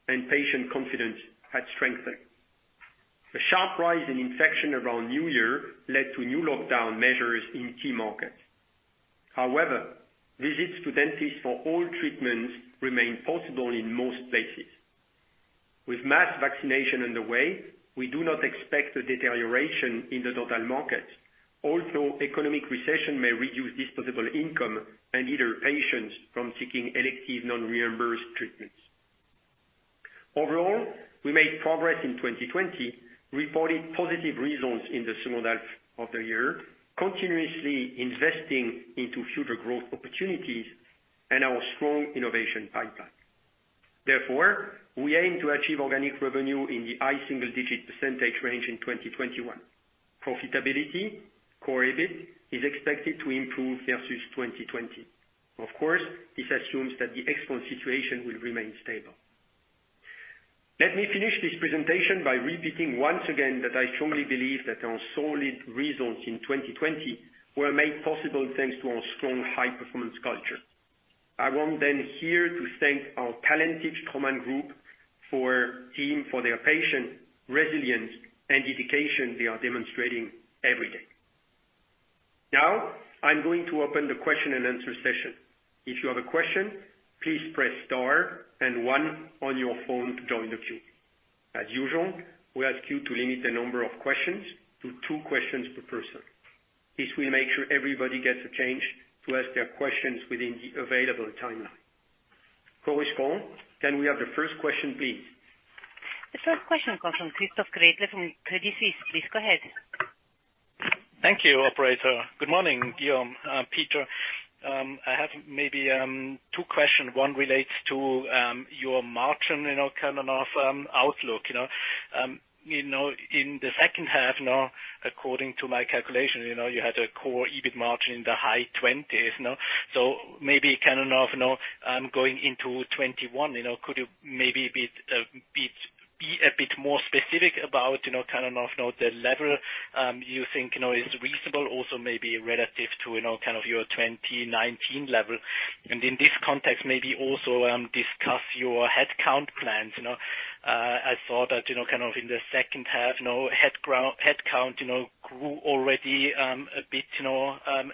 and patient confidence had strengthened. The sharp rise in infection around New Year led to new lockdown measures in key markets. However, visits to dentists for all treatments remained possible in most places. With mass vaccination underway, we do not expect a deterioration in the dental market, although economic recession may reduce disposable income and deter patients from seeking elective non-reimbursed treatments. Overall, we made progress in 2020, reporting positive results in the second half of the year, continuously investing into future growth opportunities and our strong innovation pipeline. We aim to achieve organic revenue in the high single-digit percentage range in 2021. Profitability, core EBIT, is expected to improve versus 2020. Of course, this assumes that the external situation will remain stable. Let me finish this presentation by repeating once again that I strongly believe that our solid results in 2020 were made possible thanks to our strong high-performance culture. I want then here to thank our talented Straumann Group team for their patience, resilience, and dedication they are demonstrating every day. Now, I'm going to open the question and answer session. If you have a question, please press star and one on your phone to join the queue. As usual, we ask you to limit the number of questions to two questions per person. This will make sure everybody gets a chance to ask their questions within the available timeline. Operator, can we have the first question, please? The first question comes from Christoph Gretler from Credit Suisse. Please go ahead. Thank you, operator. Good morning, Guillaume, Peter. I have maybe two questions. One relates to your margin, kind of outlook. In the second half now, according to my calculation, you had a core EBIT margin in the high 20s. Maybe, kind of now, going into 2021, could you maybe be a bit more specific about, kind of now, the level you think is reasonable also maybe relative to your 2019 level? In this context, maybe also discuss your headcount plans. I thought that in the second half, headcount grew already a bit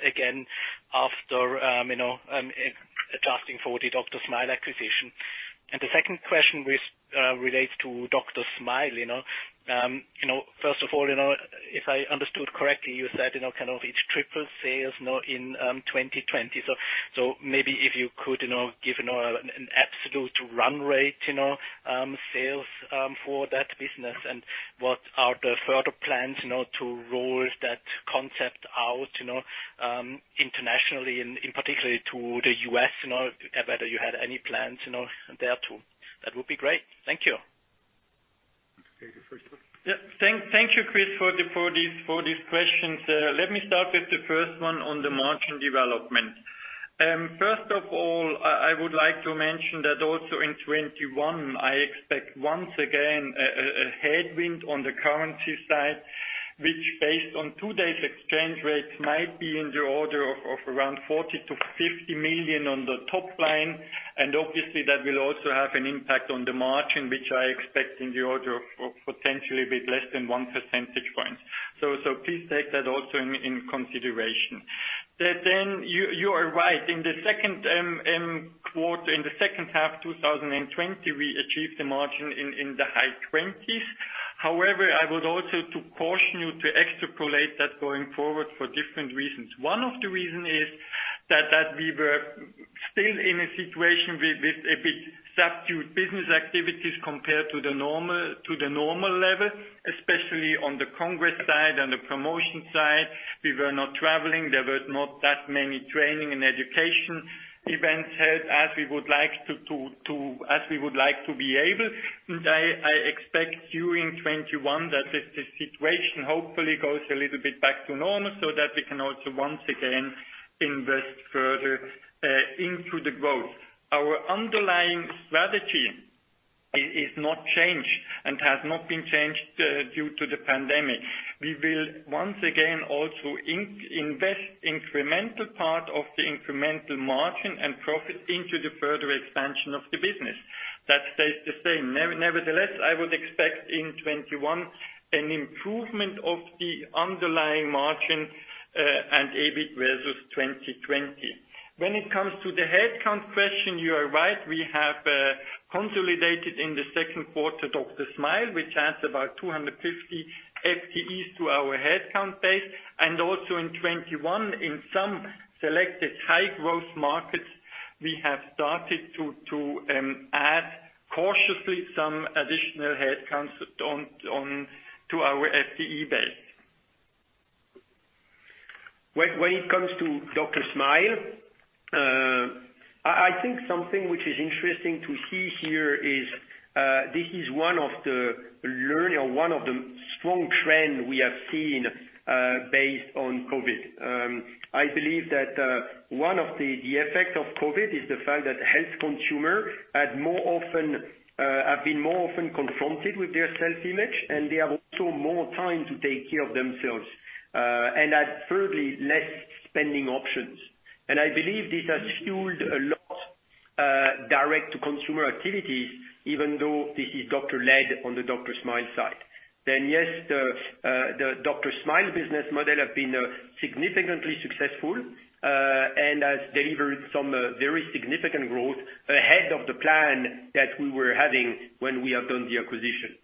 again after adjusting for the DrSmile acquisition. The second question relates to DrSmile. First of all, if I understood correctly, you said it tripled sales in 2020. Maybe if you could give an absolute run rate sales for that business and what are the further plans to roll that concept out internationally and in particular to the U.S., whether you had any plans there too. That would be great. Thank you. Peter, first one. Yeah. Thank you, Chris, for these questions. Let me start with the first one on the margin development. First of all, I would like to mention that also in 2021, I expect once again, a headwind on the currency side, which based on today's exchange rates, might be in the order of around 40 million-50 million on the top line. Obviously, that will also have an impact on the margin, which I expect in the order of potentially a bit less than one percentage point. Please take that also in consideration. You are right. In the second half 2020, we achieved the margin in the high 20s. However, I would also caution you to extrapolate that going forward for different reasons. One of the reason is that, we were still in a situation with a bit subdued business activities compared to the normal level, especially on the congress side and the promotion side. We were not traveling. There was not that many training and education events held as we would like to be able. I expect during 2021 that the situation hopefully goes a little bit back to normal so that we can also once again invest further into the growth. Our underlying strategy is not changed and has not been changed due to the pandemic. We will once again also invest incremental part of the incremental margin and profit into the further expansion of the business. That stays the same. Nevertheless, I would expect in 2021 an improvement of the underlying margin, and EBIT versus 2020. When it comes to the headcount question, you are right. We have consolidated in the second quarter DrSmile, which adds about 250 FTEs to our headcount base. Also in 2021, in some selected high growth markets, we have started to add cautiously some additional headcounts to our FTE base. When it comes to DrSmile, I think something which is interesting to see here is, this is one of the strong trend we have seen, based on COVID. I believe that, one of the effects of COVID is the fact that health consumer have been more often confronted with their self-image, and they have also more time to take care of themselves. Thirdly, less spending options. I believe this has fueled a lot direct to consumer activities, even though this is doctor-led on the DrSmile side. Yes, the DrSmile business model has been significantly successful, and has delivered some very significant growth ahead of the plan that we were having when we have done the acquisition.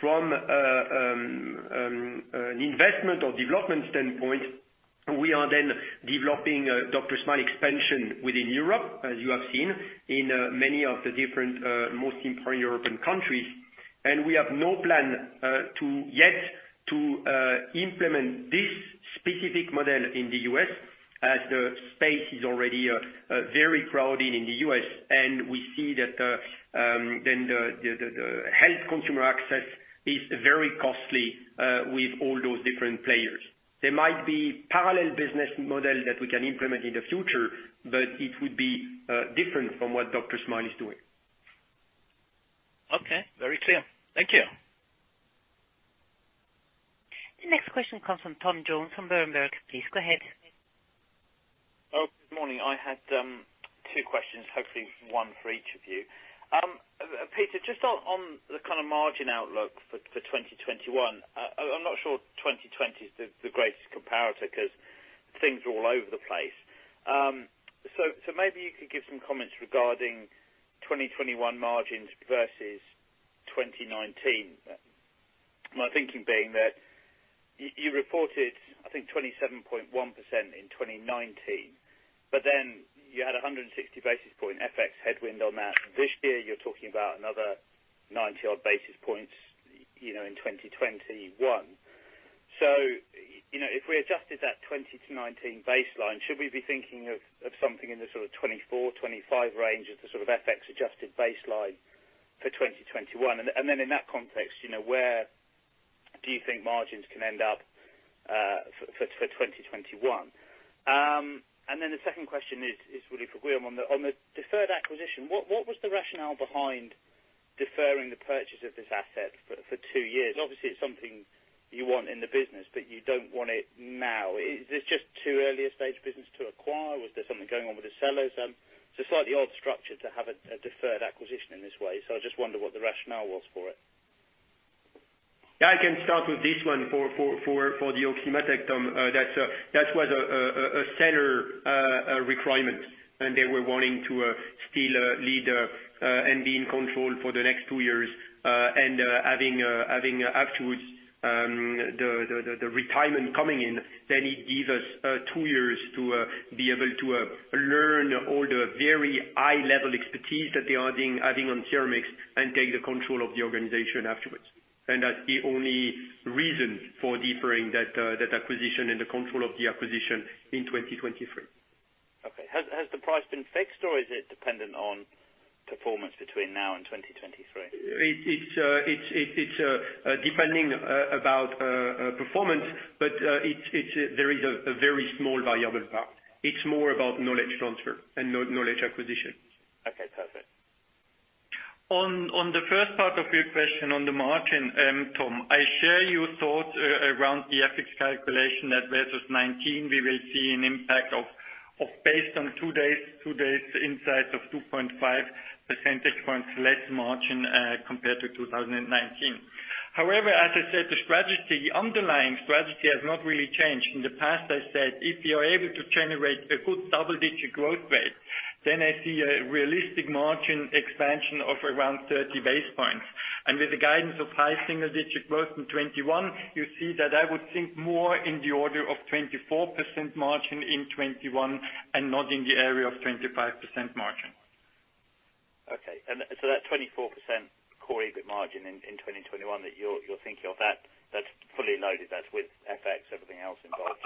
From an investment or development standpoint, we are then developing DrSmile expansion within Europe, as you have seen in many of the different, most important European countries. We have no plan yet to implement this specific model in the U.S., as the space is already very crowded in the U.S. We see that the health consumer access is very costly, with all those different players. There might be parallel business model that we can implement in the future. It would be different from what DrSmile is doing. Okay. Very clear. Thank you. Next question comes from Tom Jones from Berenberg. Please go ahead. Good morning. I had two questions, hopefully one for each of you. Peter, just on the margin outlook for 2021. I'm not sure 2020 is the greatest comparator because things are all over the place. Maybe you could give some comments regarding 2021 margins versus 2019. My thinking being that you reported, I think 27.1% in 2019, but then you had 160 basis points FX headwind on that. This year, you're talking about another 90 odd basis points in 2021. If we adjusted that 2019 baseline, should we be thinking of something in the sort of 2024-2025 range as the sort of FX-adjusted baseline for 2021? In that context, where do you think margins can end up for 2021? The second question is really for Guillaume. On the deferred acquisition, what was the rationale behind deferring the purchase of this asset for two years? Obviously, it's something you want in the business, but you don't want it now. Is this just too early a stage business to acquire? Was there something going on with the sellers? It's a slightly odd structure to have a deferred acquisition in this way, so I just wonder what the rationale was for it. Yeah, I can start with this one for the OxiMaTec, Tom. That was a seller requirement, they were wanting to still lead and be in control for the next two years. Having afterwards the retirement coming in, then it gives us two years to be able to learn all the very high-level expertise that they are adding on ceramics and take the control of the organization afterwards. That's the only reason for deferring that acquisition and the control of the acquisition in 2023. Okay. Has the price been fixed, or is it dependent on performance between now and 2023? It's depending about performance, there is a very small variable part. It's more about knowledge transfer and knowledge acquisition. Okay, perfect. On the first part of your question on the margin, Tom, I share your thoughts around the FX calculation that versus 2019 we will see an impact of, based on today's insights, of 2.5 percentage points less margin, compared to 2019. However, as I said, the underlying strategy has not really changed. In the past, I said, if we are able to generate a good double-digit growth rate, then I see a realistic margin expansion of around 30 basis points. With the guidance of high single digit growth in 2021, you see that I would think more in the order of 24% margin in 2021 and not in the area of 25% margin. Okay. That 24% core EBIT margin in 2021 that you're thinking of, that's fully loaded, that's with FX, everything else involved?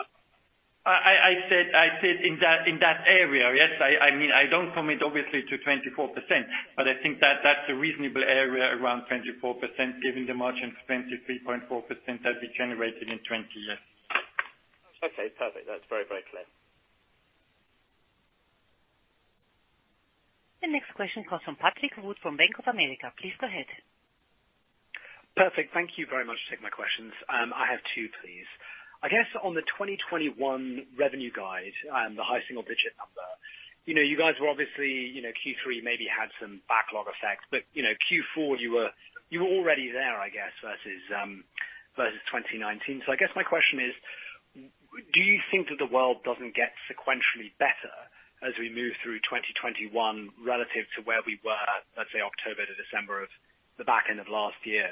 I said in that area. Yes, I don't commit obviously to 24%, but I think that's a reasonable area around 24%, given the margin of 23.4% that we generated in 2020, yes. Okay, perfect. That's very clear. The next question comes from Patrick Wood from Bank of America. Please go ahead. Perfect. Thank you very much for taking my questions. I have two, please. On the 2021 revenue guide and the high single-digit number. You guys were obviously, Q3 maybe had some backlog effect. Q4, you were already there, I guess, versus 2019. I guess my question is, do you think that the world doesn't get sequentially better as we move through 2021 relative to where we were at, let's say, October to December of the back end of last year?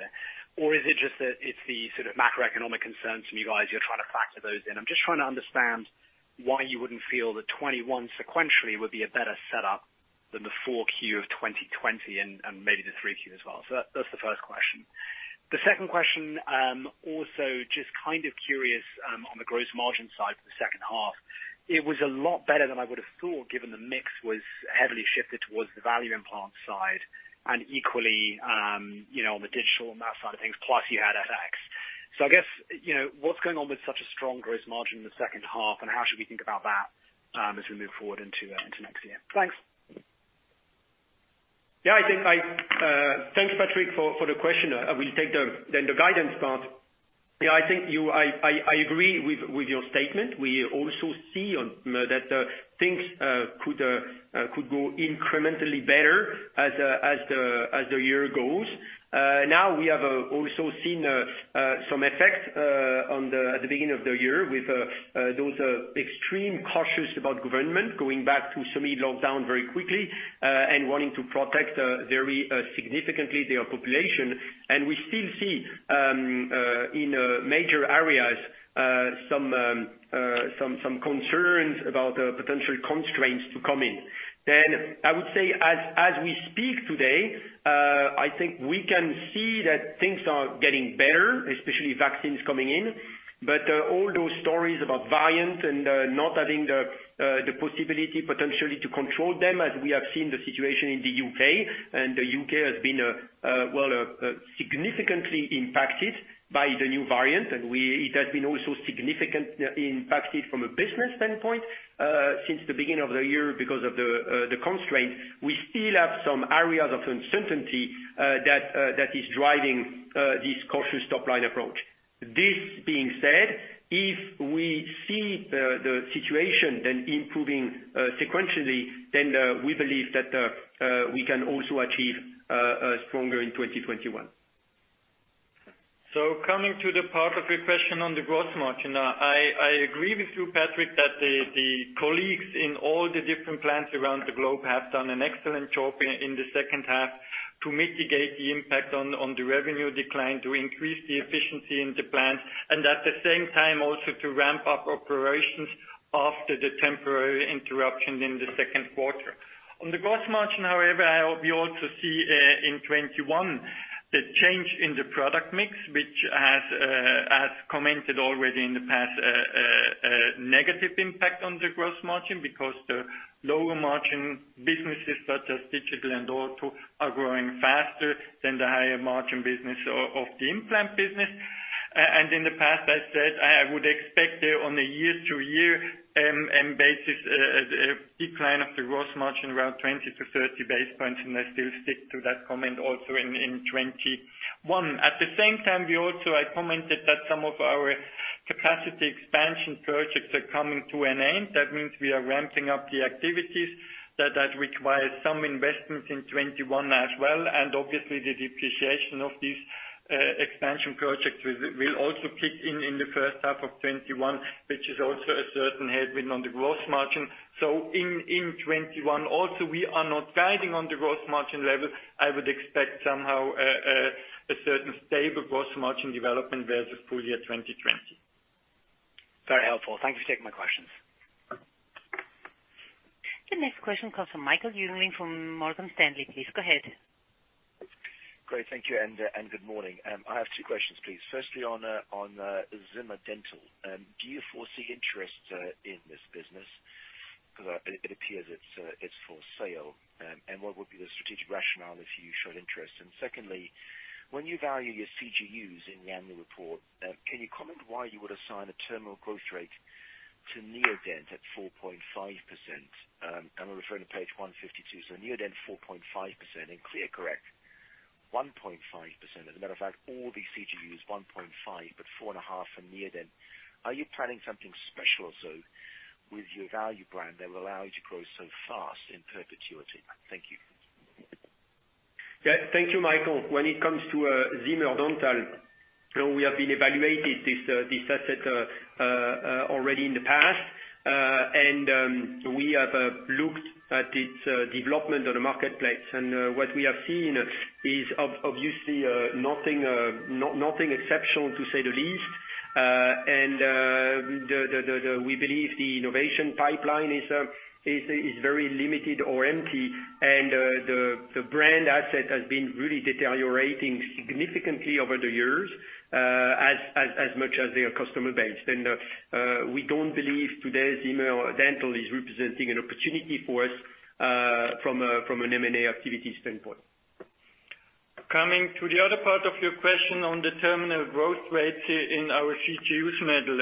Is it just that it's the macroeconomic concerns from you guys, you're trying to factor those in? I'm just trying to understand why you wouldn't feel that 2021 sequentially would be a better setup than the 4Q of 2020 and maybe the 3Q as well. That's the first question. The second question, also just kind of curious on the gross margin side for the second half. It was a lot better than I would have thought, given the mix was heavily shifted towards the value implant side and equally, on the digital and that side of things, plus you had FX. I guess, what's going on with such a strong gross margin in the second half, and how should we think about that as we move forward into next year? Thanks. Thanks, Patrick, for the question. I will take the guidance part. I agree with your statement. We have also seen some effect at the beginning of the year with those extreme cautious about government going back to semi-lockdown very quickly, and wanting to protect very significantly their population. We still see, in major areas, some concerns about potential constraints to come in. I would say, as we speak today, I think we can see that things are getting better, especially vaccines coming in. All those stories about variant and not having the possibility potentially to control them as we have seen the situation in the U.K., and the U.K. has been significantly impacted by the new variant. It has been also significantly impacted from a business standpoint since the beginning of the year because of the constraint. We still have some areas of uncertainty that is driving this cautious top-line approach. This being said, if we see the situation then improving sequentially, then we believe that we can also achieve stronger in 2021. Coming to the part of your question on the gross margin, I agree with you, Patrick, that the colleagues in all the different plants around the globe have done an excellent job in the second half to mitigate the impact on the revenue decline, to increase the efficiency in the plants, and at the same time also to ramp up operations after the temporary interruption in the second quarter. On the gross margin, however, we also see in 2021 the change in the product mix, which has, as commented already in the past, a negative impact on the gross margin because the lower margin businesses such as digital and ortho are growing faster than the higher margin business of the implant business. In the past, I said I would expect on a year-to-year basis, a decline of the gross margin around 20 to 30 basis points, and I still stick to that comment also in 2021. At the same time, I commented that some of our capacity expansion projects are coming to an end. That means we are ramping up the activities. That requires some investments in 2021 as well. Obviously the depreciation of these expansion projects will also kick in in the first half of 2021, which is also a certain headwind on the gross margin. In 2021 also, we are not guiding on the gross margin level. I would expect somehow a certain stable gross margin development versus full year 2020. Very helpful. Thank you for taking my questions. The next question comes from Michael Jüngling from Morgan Stanley. Please go ahead. Great. Thank you, and good morning. I have two questions, please. Firstly, on Zimmer Dental. Do you foresee interest in this business? Because it appears it's for sale. What would be the strategic rationale if you showed interest? Secondly, when you value your CGUs in the annual report, can you comment why you would assign a terminal growth rate to Neodent at 4.5%? I'm referring to page 152. Neodent 4.5% and ClearCorrect 1.5%. As a matter of fact, all the CGU is 1.5, but four and a half for Neodent. Are you planning something special also with your value brand that will allow you to grow so fast in perpetuity? Thank you. Yeah. Thank you, Michael. When it comes to Zimmer Dental, we have been evaluating this asset already in the past. We have looked at its development on the marketplace. What we have seen is obviously nothing exceptional, to say the least. We believe the innovation pipeline is very limited or empty, and the brand asset has been really deteriorating significantly over the years as much as their customer base. We don't believe today Zimmer Dental is representing an opportunity for us from an M&A activity standpoint. Coming to the other part of your question on the terminal growth rate in our CGUs model.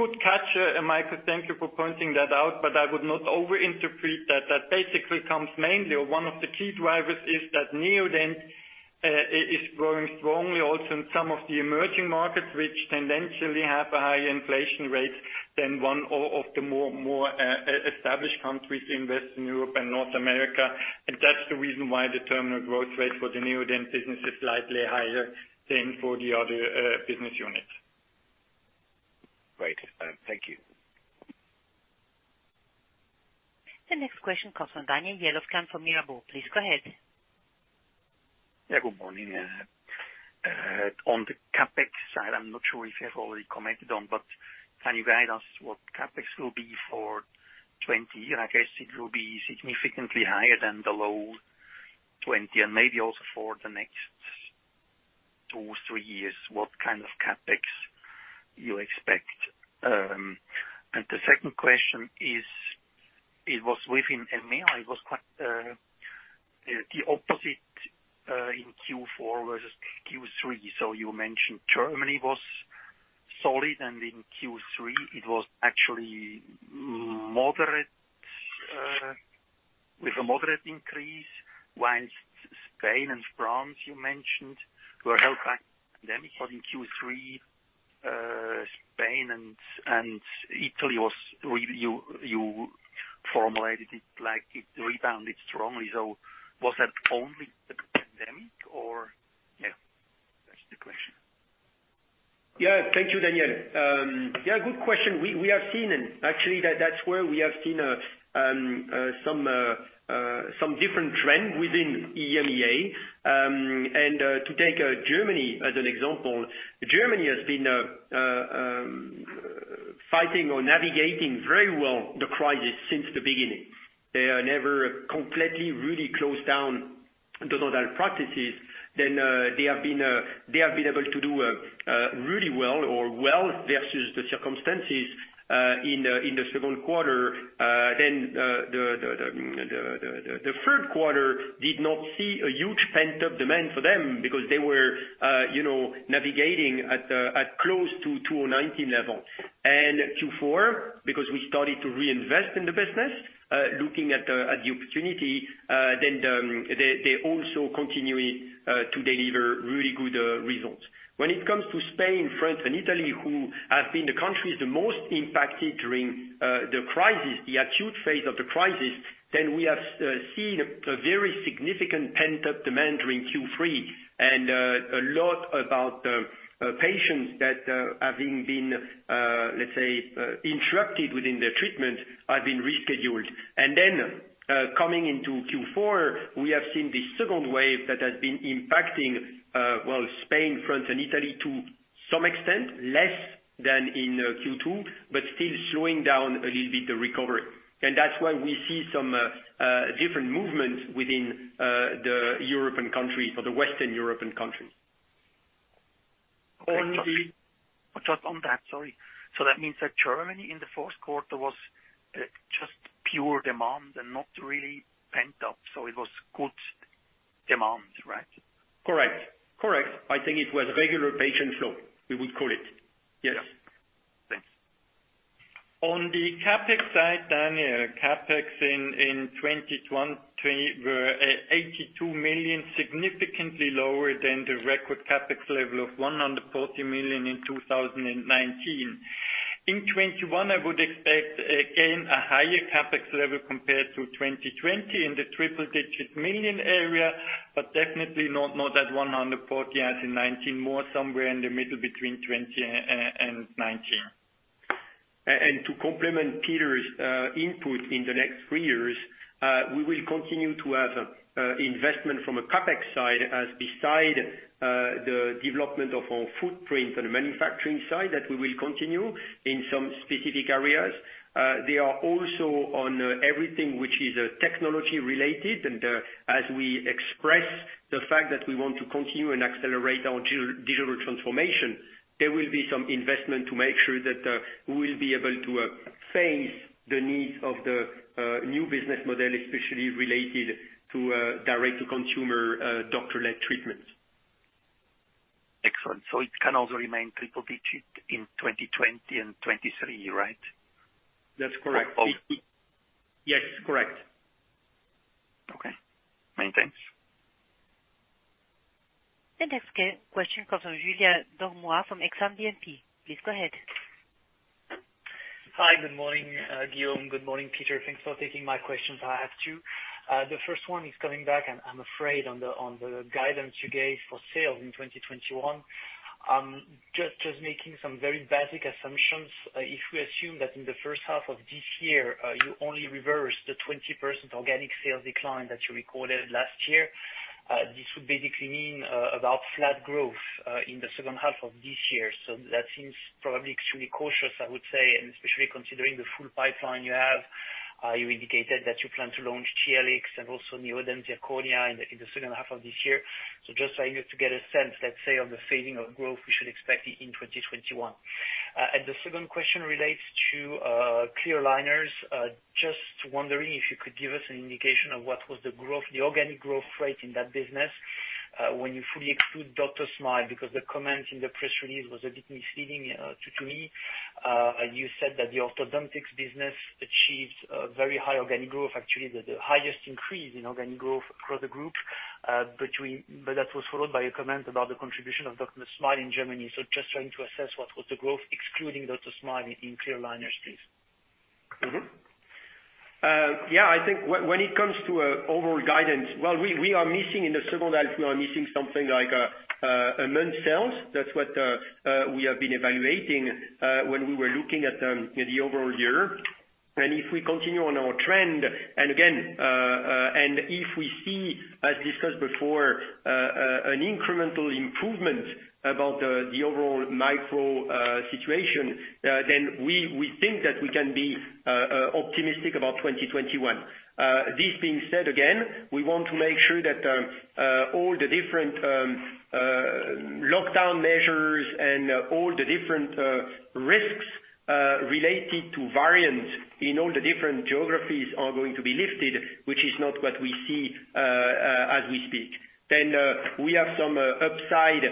Good catch, Michael. Thank you for pointing that out. I would not overinterpret that. That basically comes mainly, or one of the key drivers is that Neodent is growing strongly also in some of the emerging markets, which tendentially have a higher inflation rate than one of the more established countries in Western Europe and North America. That's the reason why the terminal growth rate for the Neodent business is slightly higher than for the other business units. Great. Thank you. The next question comes from Daniel Jelovcan from Mirabaud. Please go ahead. Good morning. On the CapEx side, I'm not sure if you have already commented on, can you guide us what CapEx will be for 2020? I guess it will be significantly higher than the low 20 and maybe also for the next two, three years, what kind of CapEx you expect. The second question is, it was within EMEA, it was quite the opposite in Q4 versus Q3. You mentioned Germany was solid, and in Q3 it was actually with a moderate increase, whilst Spain and France, you mentioned, were held back by the pandemic. In Q3, Spain and Italy, you formulated it like it rebounded strongly. Was that only the pandemic? That's the question. Thank you, Daniel. Good question. Actually, that's where we have seen some different trend within EMEA. To take Germany as an example, Germany has been fighting or navigating very well the crisis since the beginning. They are never completely closed down dental practices. They have been able to do really well or well versus the circumstances in the second quarter. The third quarter did not see a huge pent-up demand for them because they were navigating at 2019 level. Q4, because we started to reinvest in the business, looking at the opportunity, they're also continuing to deliver really good results. When it comes to Spain, France, and Italy, who have been the countries the most impacted during the crisis, the acute phase of the crisis, we have seen a very significant pent-up demand during Q3, and a lot about the patients that having been, let's say, interrupted within their treatment, have been rescheduled. Coming into Q4, we have seen the second wave that has been impacting, well, Spain, France, and Italy to some extent, less than in Q2, but still slowing down a little bit, the recovery. That's why we see some different movements within the European countries or the Western European countries. Just on that, sorry. That means that Germany in the fourth quarter was just pure demand and not really pent up. It was good demand, right? Correct. I think it was regular patient flow, we would call it. Yes. Thanks. On the CapEx side, Daniel, CapEx in 2021 were 82 million, significantly lower than the record CapEx level of 140 million in 2019. In 2021, I would expect, again, a higher CapEx level compared to 2020 in the triple digit million area, definitely not as 140 million as in 2019, more somewhere in the middle between 2020 and 2019. To complement Peter's input in the next three years, we will continue to have investment from a CapEx side as beside the development of our footprint on the manufacturing side that we will continue in some specific areas. They are also on everything which is technology related and as we express the fact that we want to continue and accelerate our digital transformation, there will be some investment to make sure that we will be able to face the needs of the new business model, especially related to direct-to-consumer doctor-led treatments. Excellent. It can also remain triple digit in 2020 and 2023, right? That's correct. Both. Yes, correct. Okay. Many thanks. The next question comes from Julien Dormois from Exane BNP. Please go ahead. Hi, good morning, Guillaume. Good morning, Peter. Thanks for taking my questions. I have two. The first one is coming back and I'm afraid on the guidance you gave for sales in 2021. Just making some very basic assumptions, if we assume that in the first half of this year, you only reverse the 20% organic sales decline that you recorded last year, this would basically mean about flat growth in the second half of this year. That seems probably extremely cautious, I would say, and especially considering the full pipeline you have. You indicated that you plan to launch TLX and also Neodent Zirconia in the second half of this year. Just trying to get a sense, let's say, of the phasing of growth we should expect in 2021. And the second question relates to clear aligners. Just wondering if you could give us an indication of what was the organic growth rate in that business, when you fully exclude DrSmile, because the comment in the press release was a bit misleading to me. You said that the orthodontics business achieves a very high organic growth, actually the highest increase in organic growth across the group, but that was followed by a comment about the contribution of DrSmile in Germany. Just trying to assess what was the growth excluding DrSmile in clear aligners, please? I think when it comes to overall guidance, well, we are missing in the second half, we are missing something like a month sales. That's what we have been evaluating, when we were looking at the overall year. If we continue on our trend, again, if we see, as discussed before, an incremental improvement about the overall micro situation, we think that we can be optimistic about 2021. This being said again, we want to make sure that all the different lockdown measures and all the different risks related to variants in all the different geographies are going to be lifted, which is not what we see as we speak. We have some upside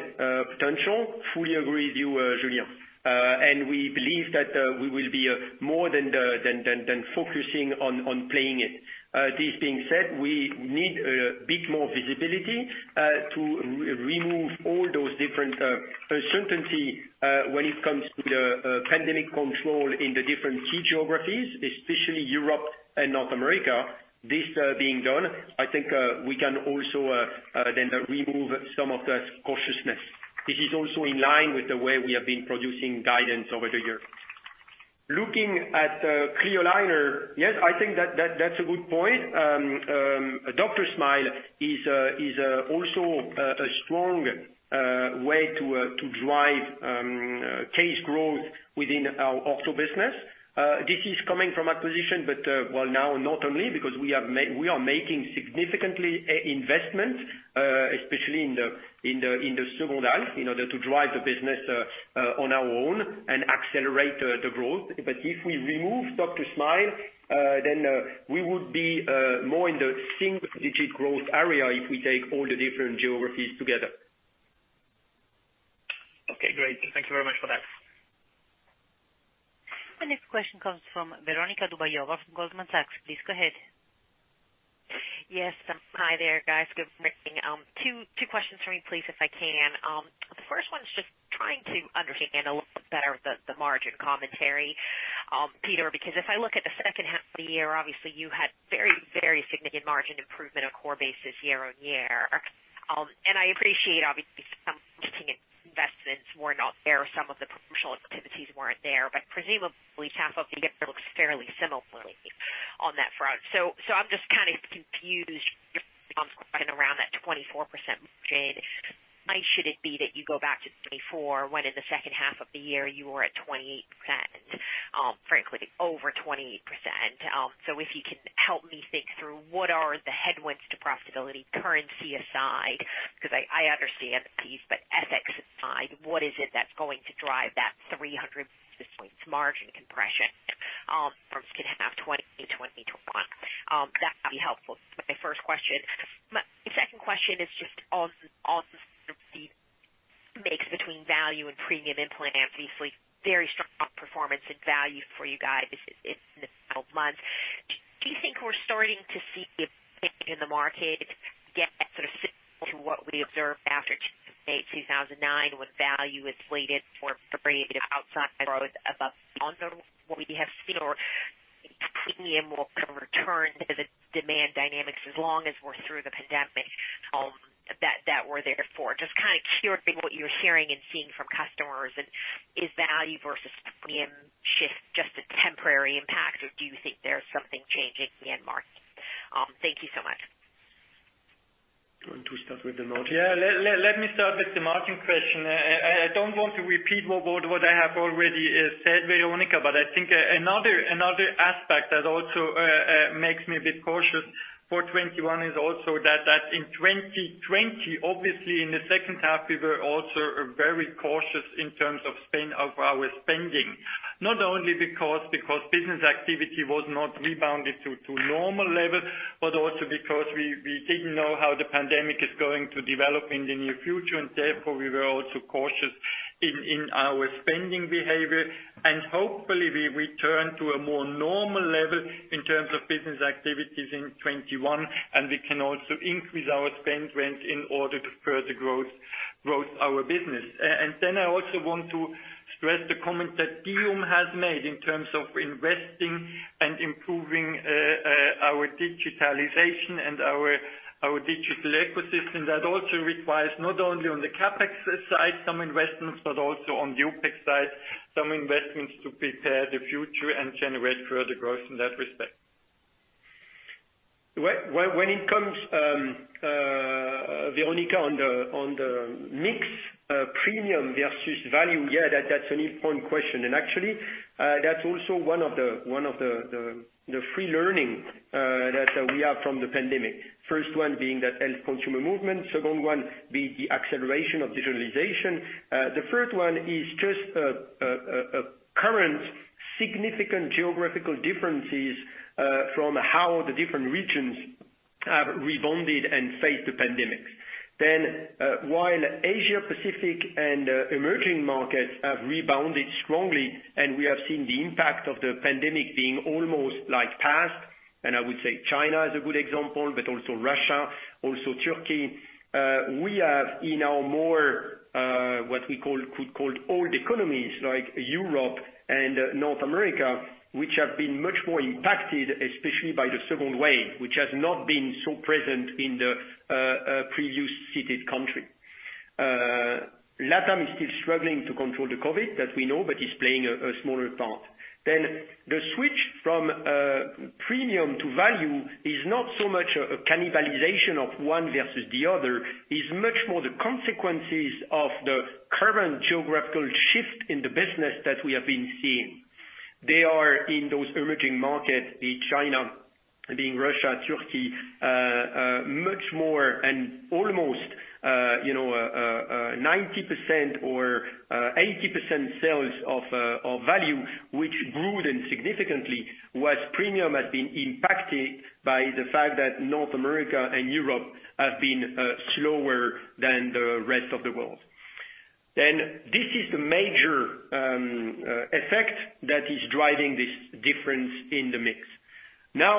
potential, fully agree with you, Julien. We believe that we will be more than focusing on playing it. This being said, we need a bit more visibility to remove all those different uncertainties when it comes to the pandemic control in the different key geographies, especially Europe and North America. This being done, I think, we can also then remove some of that cautiousness. This is also in line with the way we have been producing guidance over the years. Looking at clear aligner, yes, I think that's a good point. DrSmile is also a strong way to drive case growth within our ortho business. This is coming from acquisition, well now not only, because we are making significant investment, especially in the second half in order to drive the business on our own and accelerate the growth. If we remove DrSmile, then we would be more in the single digit growth area if we take all the different geographies together. Our next question comes from Veronika Dubajova from Goldman Sachs. Please go ahead. Yes. Hi there, guys. Good morning. Two questions for me, please, if I can. The first one is just trying to understand a little bit better the margin commentary, Peter, because if I look at the second half of the year, obviously, you had very significant margin improvement on a core basis year-on-year. I appreciate, obviously, some investing were not there, some of the promotional activities weren't there, but presumably, half of the year looks fairly similarly on that front. I'm just kind of confused around that 24% margin. Why should it be that you go back to 24% when in the second half of the year, you were at 28%, frankly, over 28%? If you can help me think through what are the headwinds to profitability, currency aside, because I understand these, but FX aside, what is it that's going to drive that 300 basis points margin compression from second half 2020, 2021? That would be helpful. That's my first question. My second question is just on the mix between value and premium implants. Obviously, very strong performance in value for you guys in the past months. Do you think we're starting to see a change in the market get sort of similar to what we observed after 2008, 2009, when value is slated for creative outsized growth above what we have seen, or premium will return because of demand dynamics as long as we're through the pandemic. Just kind of curious what you're hearing and seeing from customers, and is value versus premium shift just a temporary impact, or do you think there's something changing in the market? Thank you so much. Do you want to start with the margin? Yeah. Let me start with the margin question. I don't want to repeat what I have already said, Veronika, but I think another aspect that also makes me a bit cautious for 2021 is also that in 2020, obviously, in the second half, we were also very cautious in terms of our spending. Not only because business activity was not rebounded to normal level, but also because we didn't know how the pandemic is going to develop in the near future, and therefore, we were also cautious in our spending behavior. Hopefully, we return to a more normal level in terms of business activities in 2021, and we can also increase our spending in order to further growth our business. Then I also want to stress the comment that Guillaume has made in terms of investing and improving our digitalization and our digital ecosystem. That also requires not only on the CapEx side, some investments, but also on the OpEx side, some investments to prepare the future and generate further growth in that respect. When it comes, Veronika, on the mix premium versus value, yeah, that's a neat point question. Actually, that's also one of the key learning that we have from the pandemic. First one being that health consumer movement, second one being the acceleration of digitalization. The third one is just a current significant geographical differences, from how the different regions have rebounded and faced the pandemic. While Asia-Pacific and emerging markets have rebounded strongly, and we have seen the impact of the pandemic being almost like past. I would say China is a good example, but also Russia, also Turkey. We have in our more, what we could call old economies like Europe and North America, which have been much more impacted, especially by the second wave, which has not been so present in the previous cited country. LATAM is still struggling to control the COVID, that we know, but is playing a smaller part. The switch from premium to value is not so much a cannibalization of one versus the other. It's much more the consequences of the current geographical shift in the business that we have been seeing. They are in those emerging markets, be China, be it Russia, Turkey, much more and almost 90% or 80% sales of value, which grew then significantly, whilst premium has been impacted by the fact that North America and Europe have been slower than the rest of the world. This is the major effect that is driving this difference in the mix.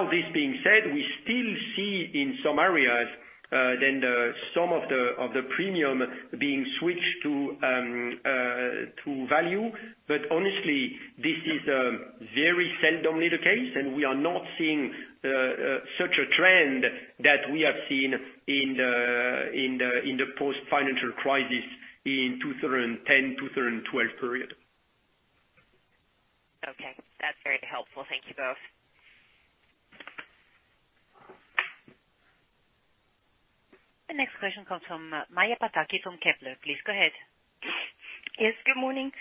This being said, we still see in some areas, then some of the premium being switched to value. Honestly, this is very seldomly the case, and we are not seeing such a trend that we have seen in the post-financial crisis in 2010, 2012 period. Okay. That's very helpful. Thank you both. The next question comes from Maja Pataki from Kepler. Please go ahead. Yes, good morning.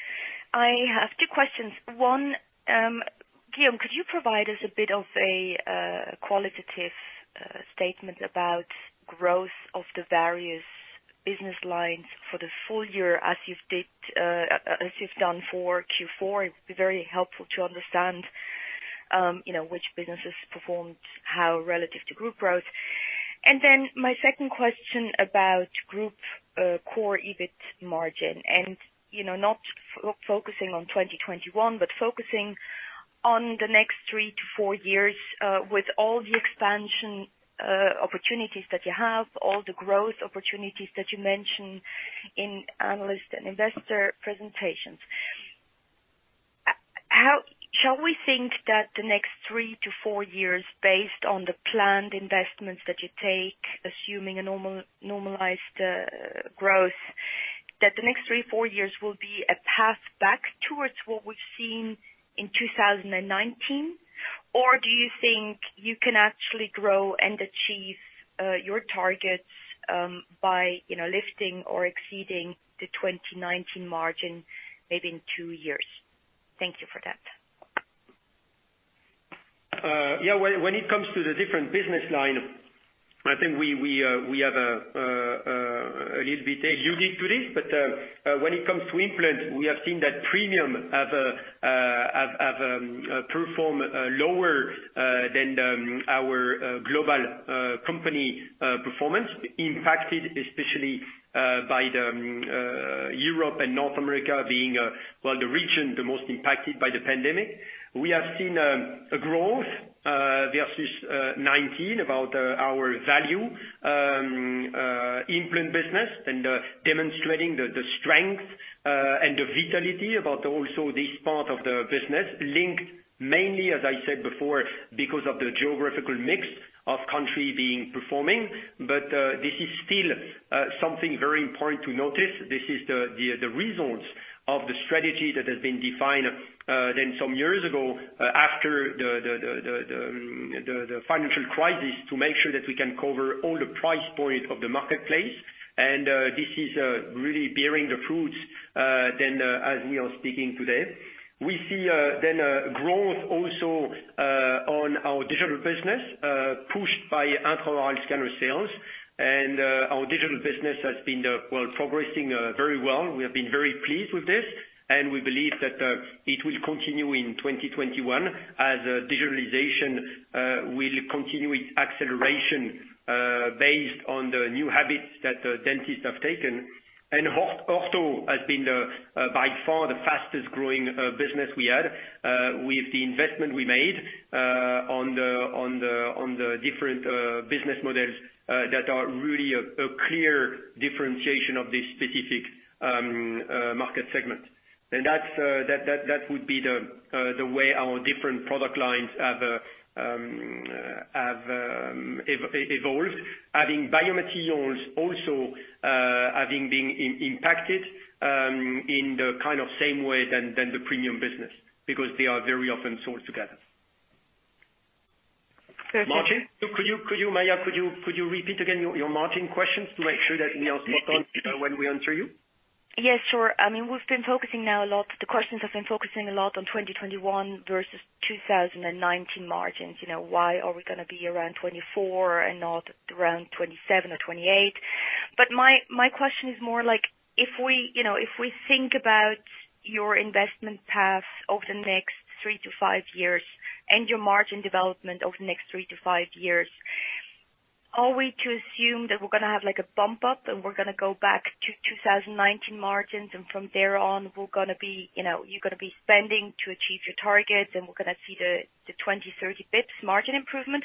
I have two questions. One, Guillaume, could you provide us a bit of a qualitative statement about growth of the various business lines for the full year as you've done for Q4? It'd be very helpful to understand which businesses performed how relative to group growth. My second question about group core EBIT margin, not focusing on 2021, but focusing on the next three to four years, with all the expansion opportunities that you have, all the growth opportunities that you mentioned in analyst and investor presentations. Shall we think that the next three to four years, based on the planned investments that you take, assuming a normalized growth, that the next three, four years will be a path back towards what we've seen in 2019? Do you think you can actually grow and achieve your targets by lifting or exceeding the 2019 margin, maybe in two years? Thank you for that. Yeah. When it comes to the different business line, I think we have a little bit unique to this. When it comes to implant, we have seen that premium have performed lower than our global company performance impacted especially by Europe and North America being the region the most impacted by the pandemic. We have seen a growth versus 2019 about our value implant business and demonstrating the strength and the vitality about also this part of the business, linked mainly, as I said before, because of the geographical mix of country being performing. This is still something very important to notice. This is the results of the strategy that has been defined some years ago, after the financial crisis, to make sure that we can cover all the price point of the marketplace, this is really bearing the fruits as we are speaking today. We see a growth also on our digital business, pushed by intraoral scanner sales. Our digital business has been well progressing very well. We have been very pleased with this, and we believe that it will continue in 2021, as digitalization will continue its acceleration based on the new habits that the dentists have taken. Ortho has been by far the fastest growing business we had, with the investment we made on the different business models, that are really a clear differentiation of this specific market segment. That would be the way our different product lines have evolved. Having biomaterials also having been impacted in the kind of same way than the premium business, because they are very often sold together. Perfect. Margin, Maja, could you repeat again your margin questions to make sure that we are spot on when we answer you? Yes, sure. The question has been focusing a lot on 2021 versus 2019 margins. Why are we going to be around 24% and not around 27% or 28%? My question is more like if we think about your investment path over the next three to five years and your margin development over the next three to five years, are we to assume that we're going to have a bump up and we're going to go back to 2019 margins, and from there on you're going to be spending to achieve your targets, and we're going to see the 20, 30 basis points margin improvement?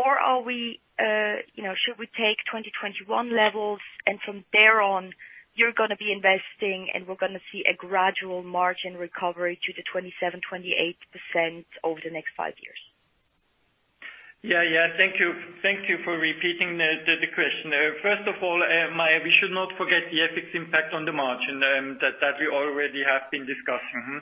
Should we take 2021 levels and from there on, you're going to be investing and we're going to see a gradual margin recovery to the 27%, 28% over the next five years? Yeah. Thank you for repeating the question. First of all, Maja, we should not forget the FX impact on the margin, that we already have been discussing.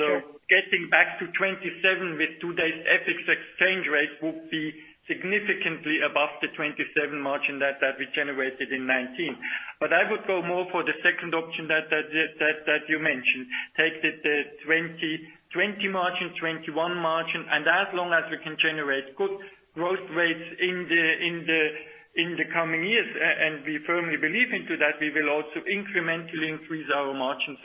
Sure. Getting back to 2027 with today's FX exchange rate would be significantly above the 27 margin that we generated in 2019. I would go more for the second option that you mentioned, take the 2020 margin, 2021 margin, and as long as we can generate good growth rates in the coming years, and we firmly believe into that, we will also incrementally increase our margins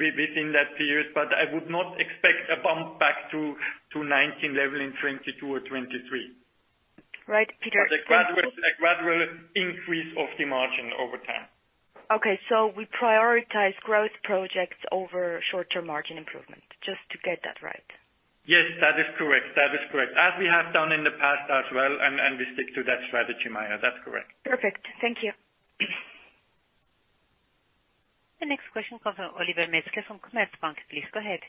within that period. I would not expect a bump back to 2019 level in 2022 or 2023. Right, Peter. Thank you. A gradual increase of the margin over time. Okay. We prioritize growth projects over short-term margin improvement, just to get that right. Yes, that is correct. As we have done in the past as well, and we stick to that strategy, Maja. That's correct. Perfect. Thank you. The next question comes from Oliver Metzger from Commerzbank. Please go ahead.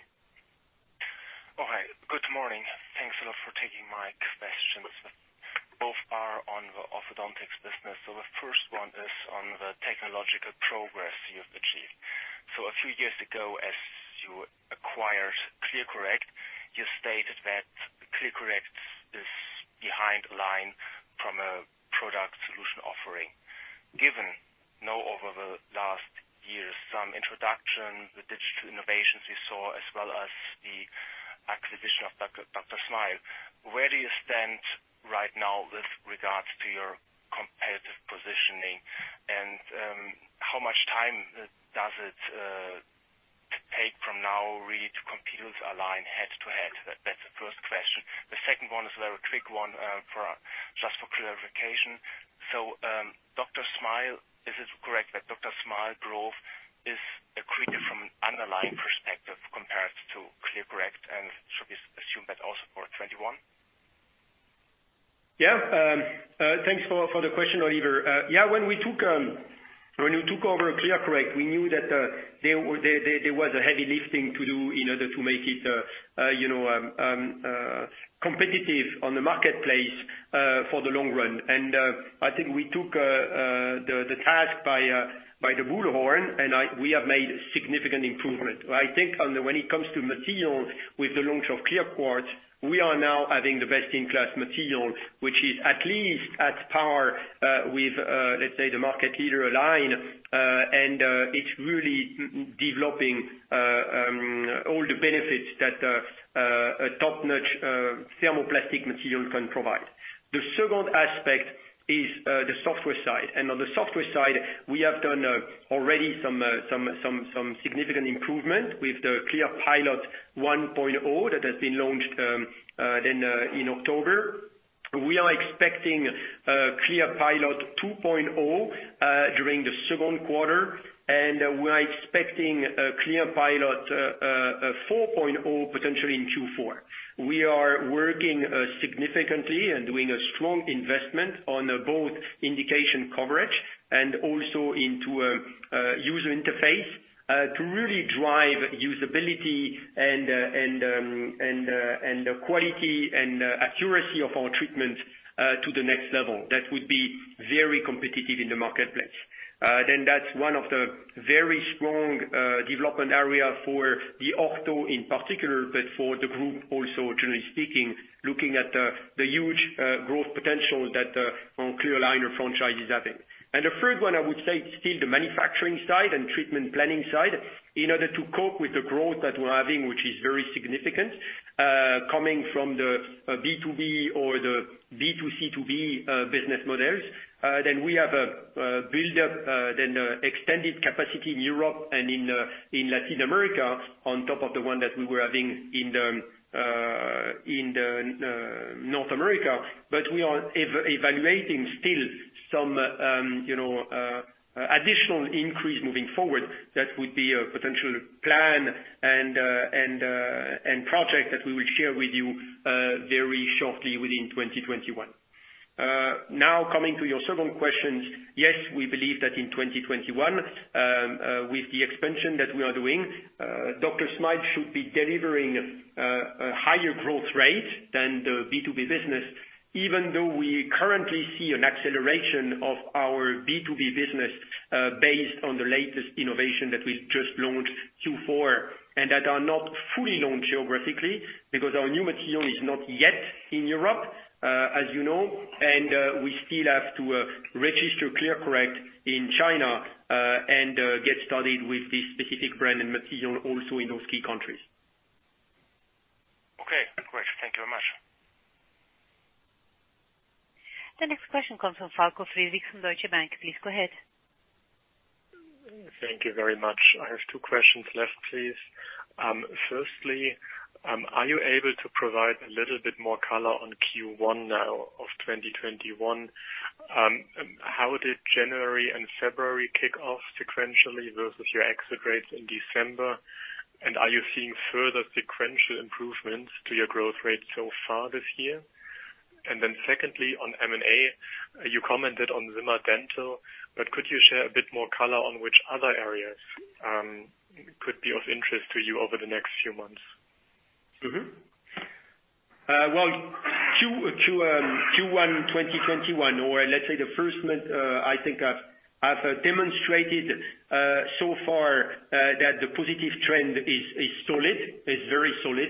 All right. Good morning. Thanks a lot for taking my questions. Both are on the orthodontics business. The first one is on the technological progress you've achieved. A few years ago, as you acquired ClearCorrect, you stated that ClearCorrect is behind Align from a product solution offering. Given now over the last years, some introduction, the digital innovations we saw, as well as the acquisition of DrSmile, where do you stand right now with regards to your competitive positioning? How much time does it take from now really to compete with Align head-to-head? That's the first question. The second one is a very quick one, just for clarification. Is it correct that DrSmile growth is quicker from an underlying perspective compared to ClearCorrect, and should we assume that also for 2021? Yeah. Thanks for the question, Oliver. When we took over ClearCorrect, we knew that there was heavy lifting to do in order to make it competitive on the marketplace for the long run. I think we took the task by the bullhorn, and we have made significant improvement. I think when it comes to materials, with the launch of ClearQuartz, we are now having the best-in-class material, which is at least at par with, let's say, the market leader, Align. It's really developing all the benefits that a top-notch thermoplastic material can provide. The second aspect is the software side. On the software side, we have done already some significant improvement with the ClearPilot 1.0 that has been launched in October. We are expecting ClearPilot 2.0 during the second quarter, and we're expecting ClearPilot 4.0 potentially in Q4. We are working significantly and doing a strong investment on both indication coverage and also into user interface, to really drive usability and the quality and accuracy of our treatments to the next level. That would be very competitive in the marketplace. That's one of the very strong development areas for the ortho in particular, but for the group also, generally speaking, looking at the huge growth potential that our clear aligner franchise is having. The third one, I would say, is still the manufacturing side and treatment planning side. In order to cope with the growth that we're having, which is very significant, coming from the B2B or the B2C2B business models, then we have a build-up, then extended capacity in Europe and in Latin America on top of the one that we were having in North America. We are evaluating still some additional increase moving forward. That would be a potential plan and project that we will share with you very shortly within 2021. Coming to your second question. Yes, we believe that in 2021, with the expansion that we are doing, DrSmile should be delivering a higher growth rate than the B2B business, even though we currently see an acceleration of our B2B business based on the latest innovation that we just launched Q4, and that are not fully launched geographically, because our new material is not yet in Europe, as you know, and we still have to register ClearCorrect in China and get started with this specific brand and material also in those key countries. Okay. Great. Thank you very much. The next question comes from Falko Friedrichs from Deutsche Bank. Please go ahead. Thank you very much. I have two questions left, please. Firstly, are you able to provide a little bit more color on Q1 now of 2021? How did January and February kick off sequentially versus your exit rates in December? Are you seeing further sequential improvements to your growth rate so far this year? Secondly, on M&A, you commented on Zimmer Dental, but could you share a bit more color on which other areas could be of interest to you over the next few months? Q1 2021, or let's say the first month, I think I've demonstrated so far that the positive trend is very solid.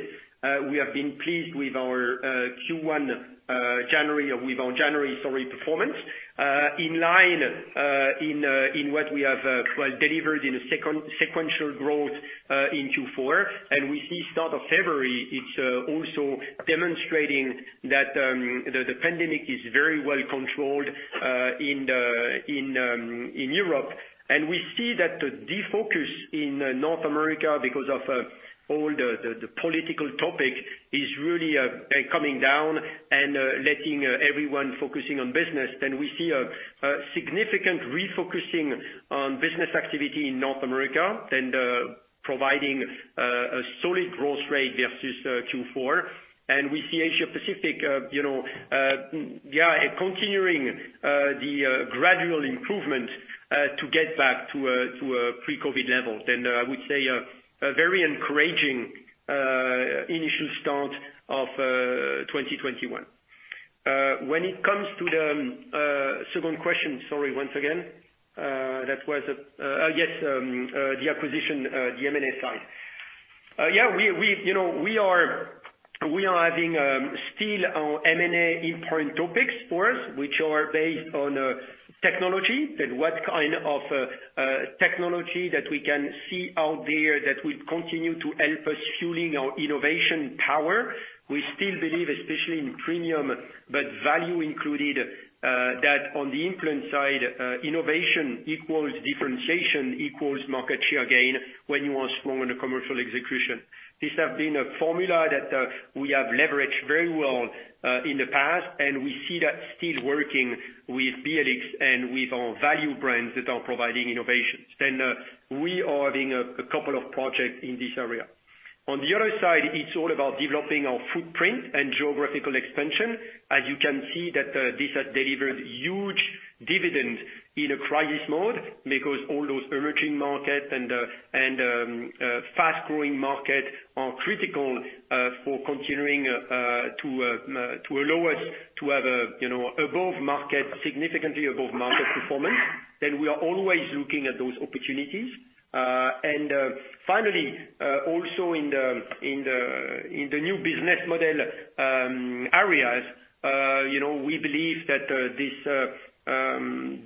We have been pleased with our Q1 January performance, in line in what we have delivered in a sequential growth in Q4. We see start of February, it's also demonstrating that the pandemic is very well controlled in Europe. We see that the defocus in North America, because of all the political topic, is really coming down and letting everyone focusing on business. We see a significant refocusing on business activity in North America, and providing a solid growth rate versus Q4. We see Asia Pacific continuing the gradual improvement to get back to a pre-COVID level. I would say a very encouraging initial start of 2021. When it comes to the second question, sorry, once again. Yes, the acquisition, the M&A side. We are having still our M&A implant topics for us, which are based on technology, and what kind of technology that we can see out there that will continue to help us fueling our innovation power. We still believe, especially in premium, but value included, that on the implant side, innovation equals differentiation, equals market share gain when you are strong on the commercial execution. This has been a formula that we have leveraged very well in the past, and we see that still working with BLX and with our value brands that are providing innovations. We are having a couple of projects in this area. On the other side, it's all about developing our footprint and geographical expansion. As you can see that this has delivered huge dividends in a crisis mode, because all those emerging markets and fast-growing markets are critical for continuing to allow us to have a significantly above-market performance. We are always looking at those opportunities. Finally, also in the new business model areas, we believe that this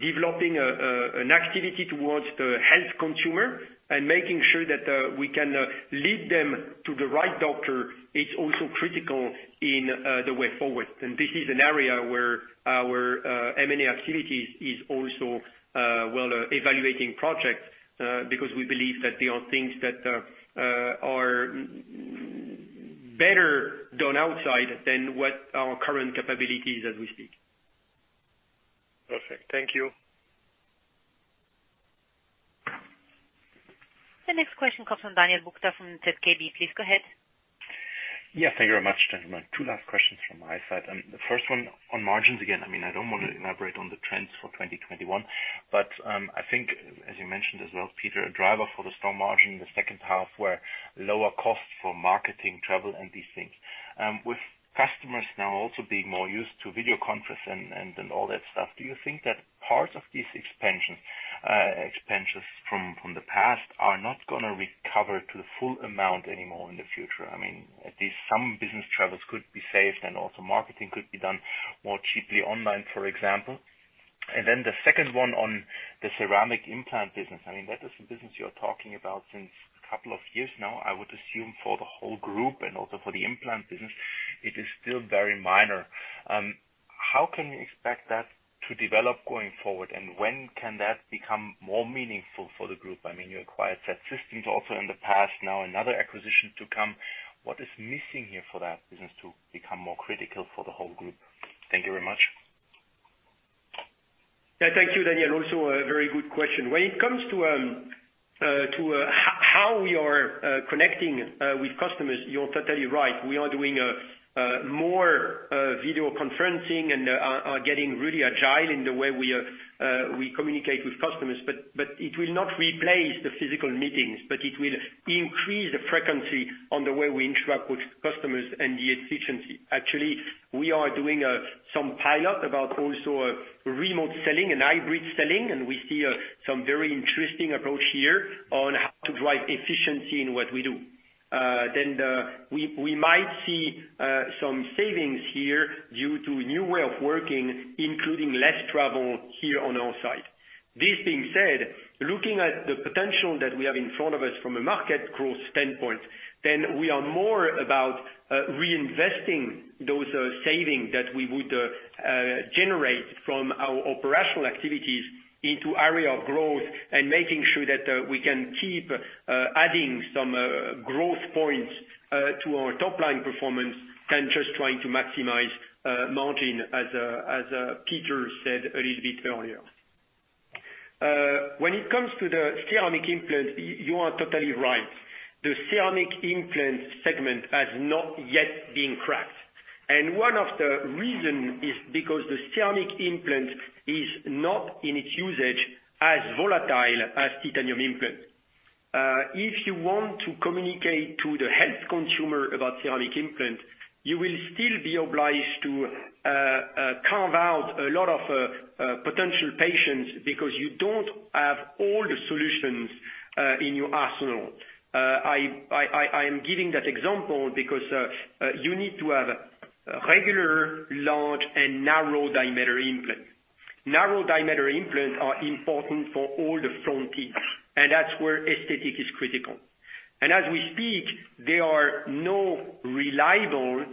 developing an activity towards the health consumer and making sure that we can lead them to the right doctor is also critical in the way forward. This is an area where our M&A activities is also well evaluating projects, because we believe that there are things that are better done outside than what our current capability is as we speak. Perfect. Thank you. The next question comes from Daniel Buchta from ZKB. Please go ahead. Thank you very much, gentlemen. Two last questions from my side. The first one on margins, again, I don't want to elaborate on the trends for 2021, but I think as you mentioned as well, Peter, a driver for the strong margin in the second half were lower costs for marketing, travel, and these things. With customers now also being more used to video conference and all that stuff, do you think that part of these expenses from the past are not going to recover to the full amount anymore in the future? At least some business travels could be saved, marketing could be done more cheaply online, for example. The second one on the ceramic implant business. That is a business you're talking about since a couple of years now. I would assume for the whole group and also for the implant business, it is still very minor. How can you expect that to develop going forward, and when can that become more meaningful for the group? You acquired SET Systems also in the past, now another acquisition to come. What is missing here for that business to become more critical for the whole group? Thank you very much. Yeah, thank you, Daniel. A very good question. When it comes to how we are connecting with customers, you're totally right. We are doing more video conferencing and are getting really agile in the way we communicate with customers, but it will not replace the physical meetings, but it will increase the frequency on the way we interact with customers and the efficiency. Actually, we are doing some pilot about also remote selling and hybrid selling, and we see some very interesting approach here on how to drive efficiency in what we do. We might see some savings here due to new way of working, including less travel here on our side. This being said, looking at the potential that we have in front of us from a market growth standpoint, we are more about reinvesting those savings that we would generate from our operational activities into area of growth and making sure that we can keep adding some growth points to our top-line performance than just trying to maximize margin, as Peter said a little bit earlier. When it comes to the ceramic implants, you are totally right. The ceramic implant segment has not yet been cracked. One of the reason is because the ceramic implant is not in its usage as volatile as titanium implant. If you want to communicate to the health consumer about ceramic implant, you will still be obliged to carve out a lot of potential patients because you don't have all the solutions in your arsenal. I am giving that example because you need to have regular, large, and narrow diameter implant. Narrow diameter implants are important for all the front teeth, That's where aesthetic is critical. As we speak, there are no reliable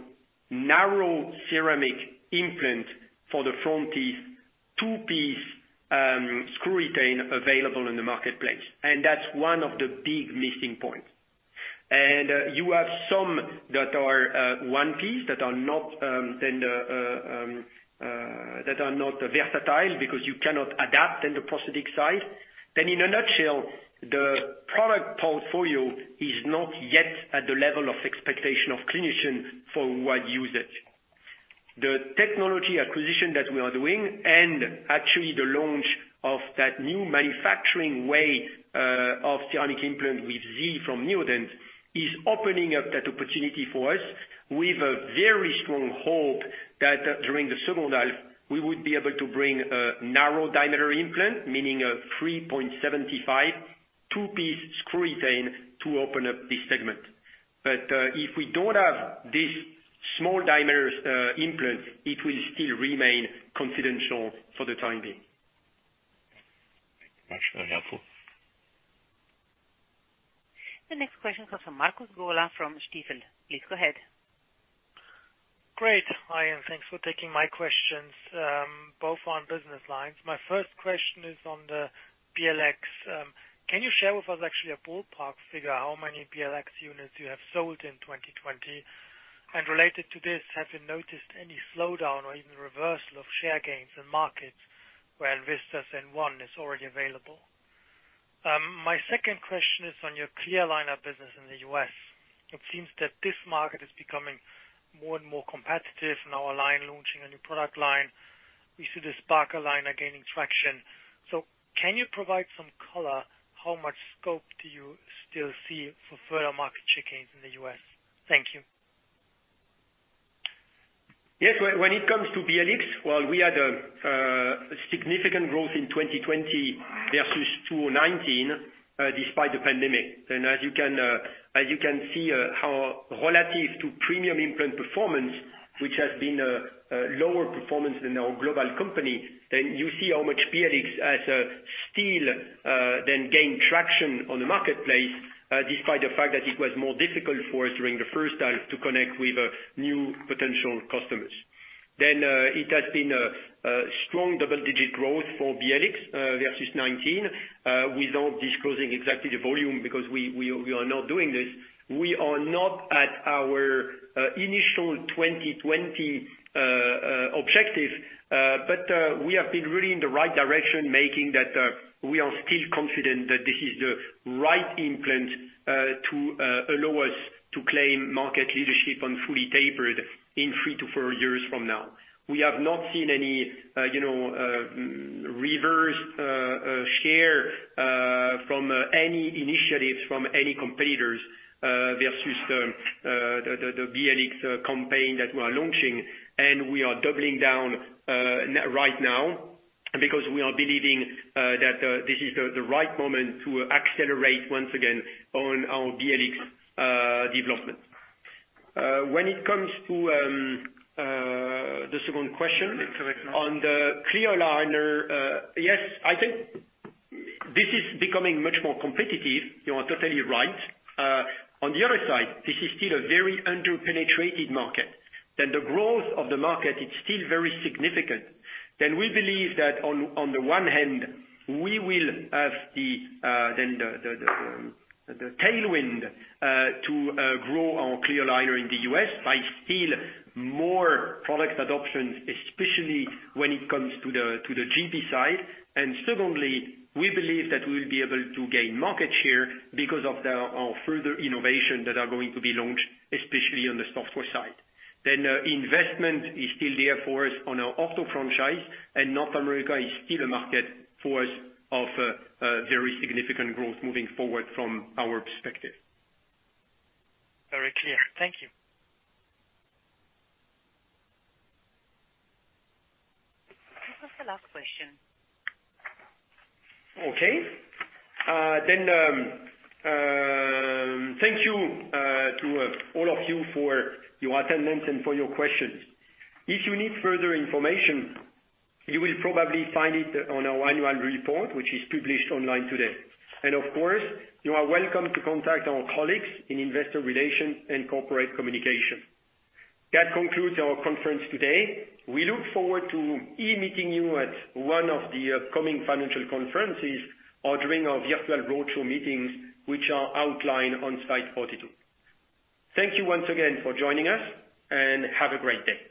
narrow ceramic implant for the front teeth, two-piece screw retain available in the marketplace. That's one of the big missing points. You have some that are one piece, that are not versatile because you cannot adapt in the prosthetic side. In a nutshell, the product portfolio is not yet at the level of expectation of clinician for wide usage. The technology acquisition that we are doing, actually the launch of that new manufacturing way of ceramic implant with Zi from Neodent, is opening up that opportunity for us with a very strong hope that during the second half, we would be able to bring a narrow diameter implant, meaning a 3.75 two-piece screw-retained to open up this segment. If we don't have this small diameter implant, it will still remain confidential for the time being. Thank you very much. Very helpful. The next question comes from Markus Gola from Stifel. Please go ahead. Great. Hi, and thanks for taking my questions, both on business lines. My first question is on the BLX. Can you share with us actually a ballpark figure how many BLX units you have sold in 2020? Related to this, have you noticed any slowdown or even reversal of share gains in markets where Vega and On1 is already available? My second question is on your clear aligner business in the U.S. It seems that this market is becoming more and more competitive. Now Align launching a new product line. We see the Spark aligner gaining traction. Can you provide some color, how much scope do you still see for further market share gains in the U.S.? Thank you. Yes. When it comes to BLX, well, we had a significant growth in 2020 versus 2019, despite the pandemic. As you can see how relative to premium implant performance, which has been a lower performance than our global company, then you see how much BLX has still then gained traction on the marketplace, despite the fact that it was more difficult for us during the first half to connect with new potential customers. It has been a strong double-digit growth for BLX versus 2019. Without disclosing exactly the volume because we are not doing this. We are not at our initial 2020 objective, but we have been really in the right direction, making that we are still confident that this is the right implant to allow us to claim market leadership on fully tapered in three to four years from now. We have not seen any reverse share from any initiatives from any competitors versus the BLX campaign that we are launching. We are doubling down right now because we are believing that this is the right moment to accelerate once again on our BLX development. When it comes to the second question. Correct me. on the clear aligner. Yes, I think this is becoming much more competitive. You are totally right. This is still a very under-penetrated market. The growth of the market, it's still very significant. We believe that on the one hand, we will have the tailwind to grow our clear aligner in the U.S. by still more product adoptions, especially when it comes to the GP side. Secondly, we believe that we'll be able to gain market share because of our further innovation that are going to be launched, especially on the software side. Investment is still there for us on our ortho franchise, and North America is still a market for us of very significant growth moving forward from our perspective. Very clear. Thank you. This was the last question. Thank you to all of you for your attendance and for your questions. If you need further information, you will probably find it on our annual report, which is published online today. Of course, you are welcome to contact our colleagues in investor relations and corporate communication. That concludes our conference today. We look forward to e-meeting you at one of the upcoming financial conferences or during our virtual roadshow meetings, which are outlined on slide 42. Thank you once again for joining us, and have a great day.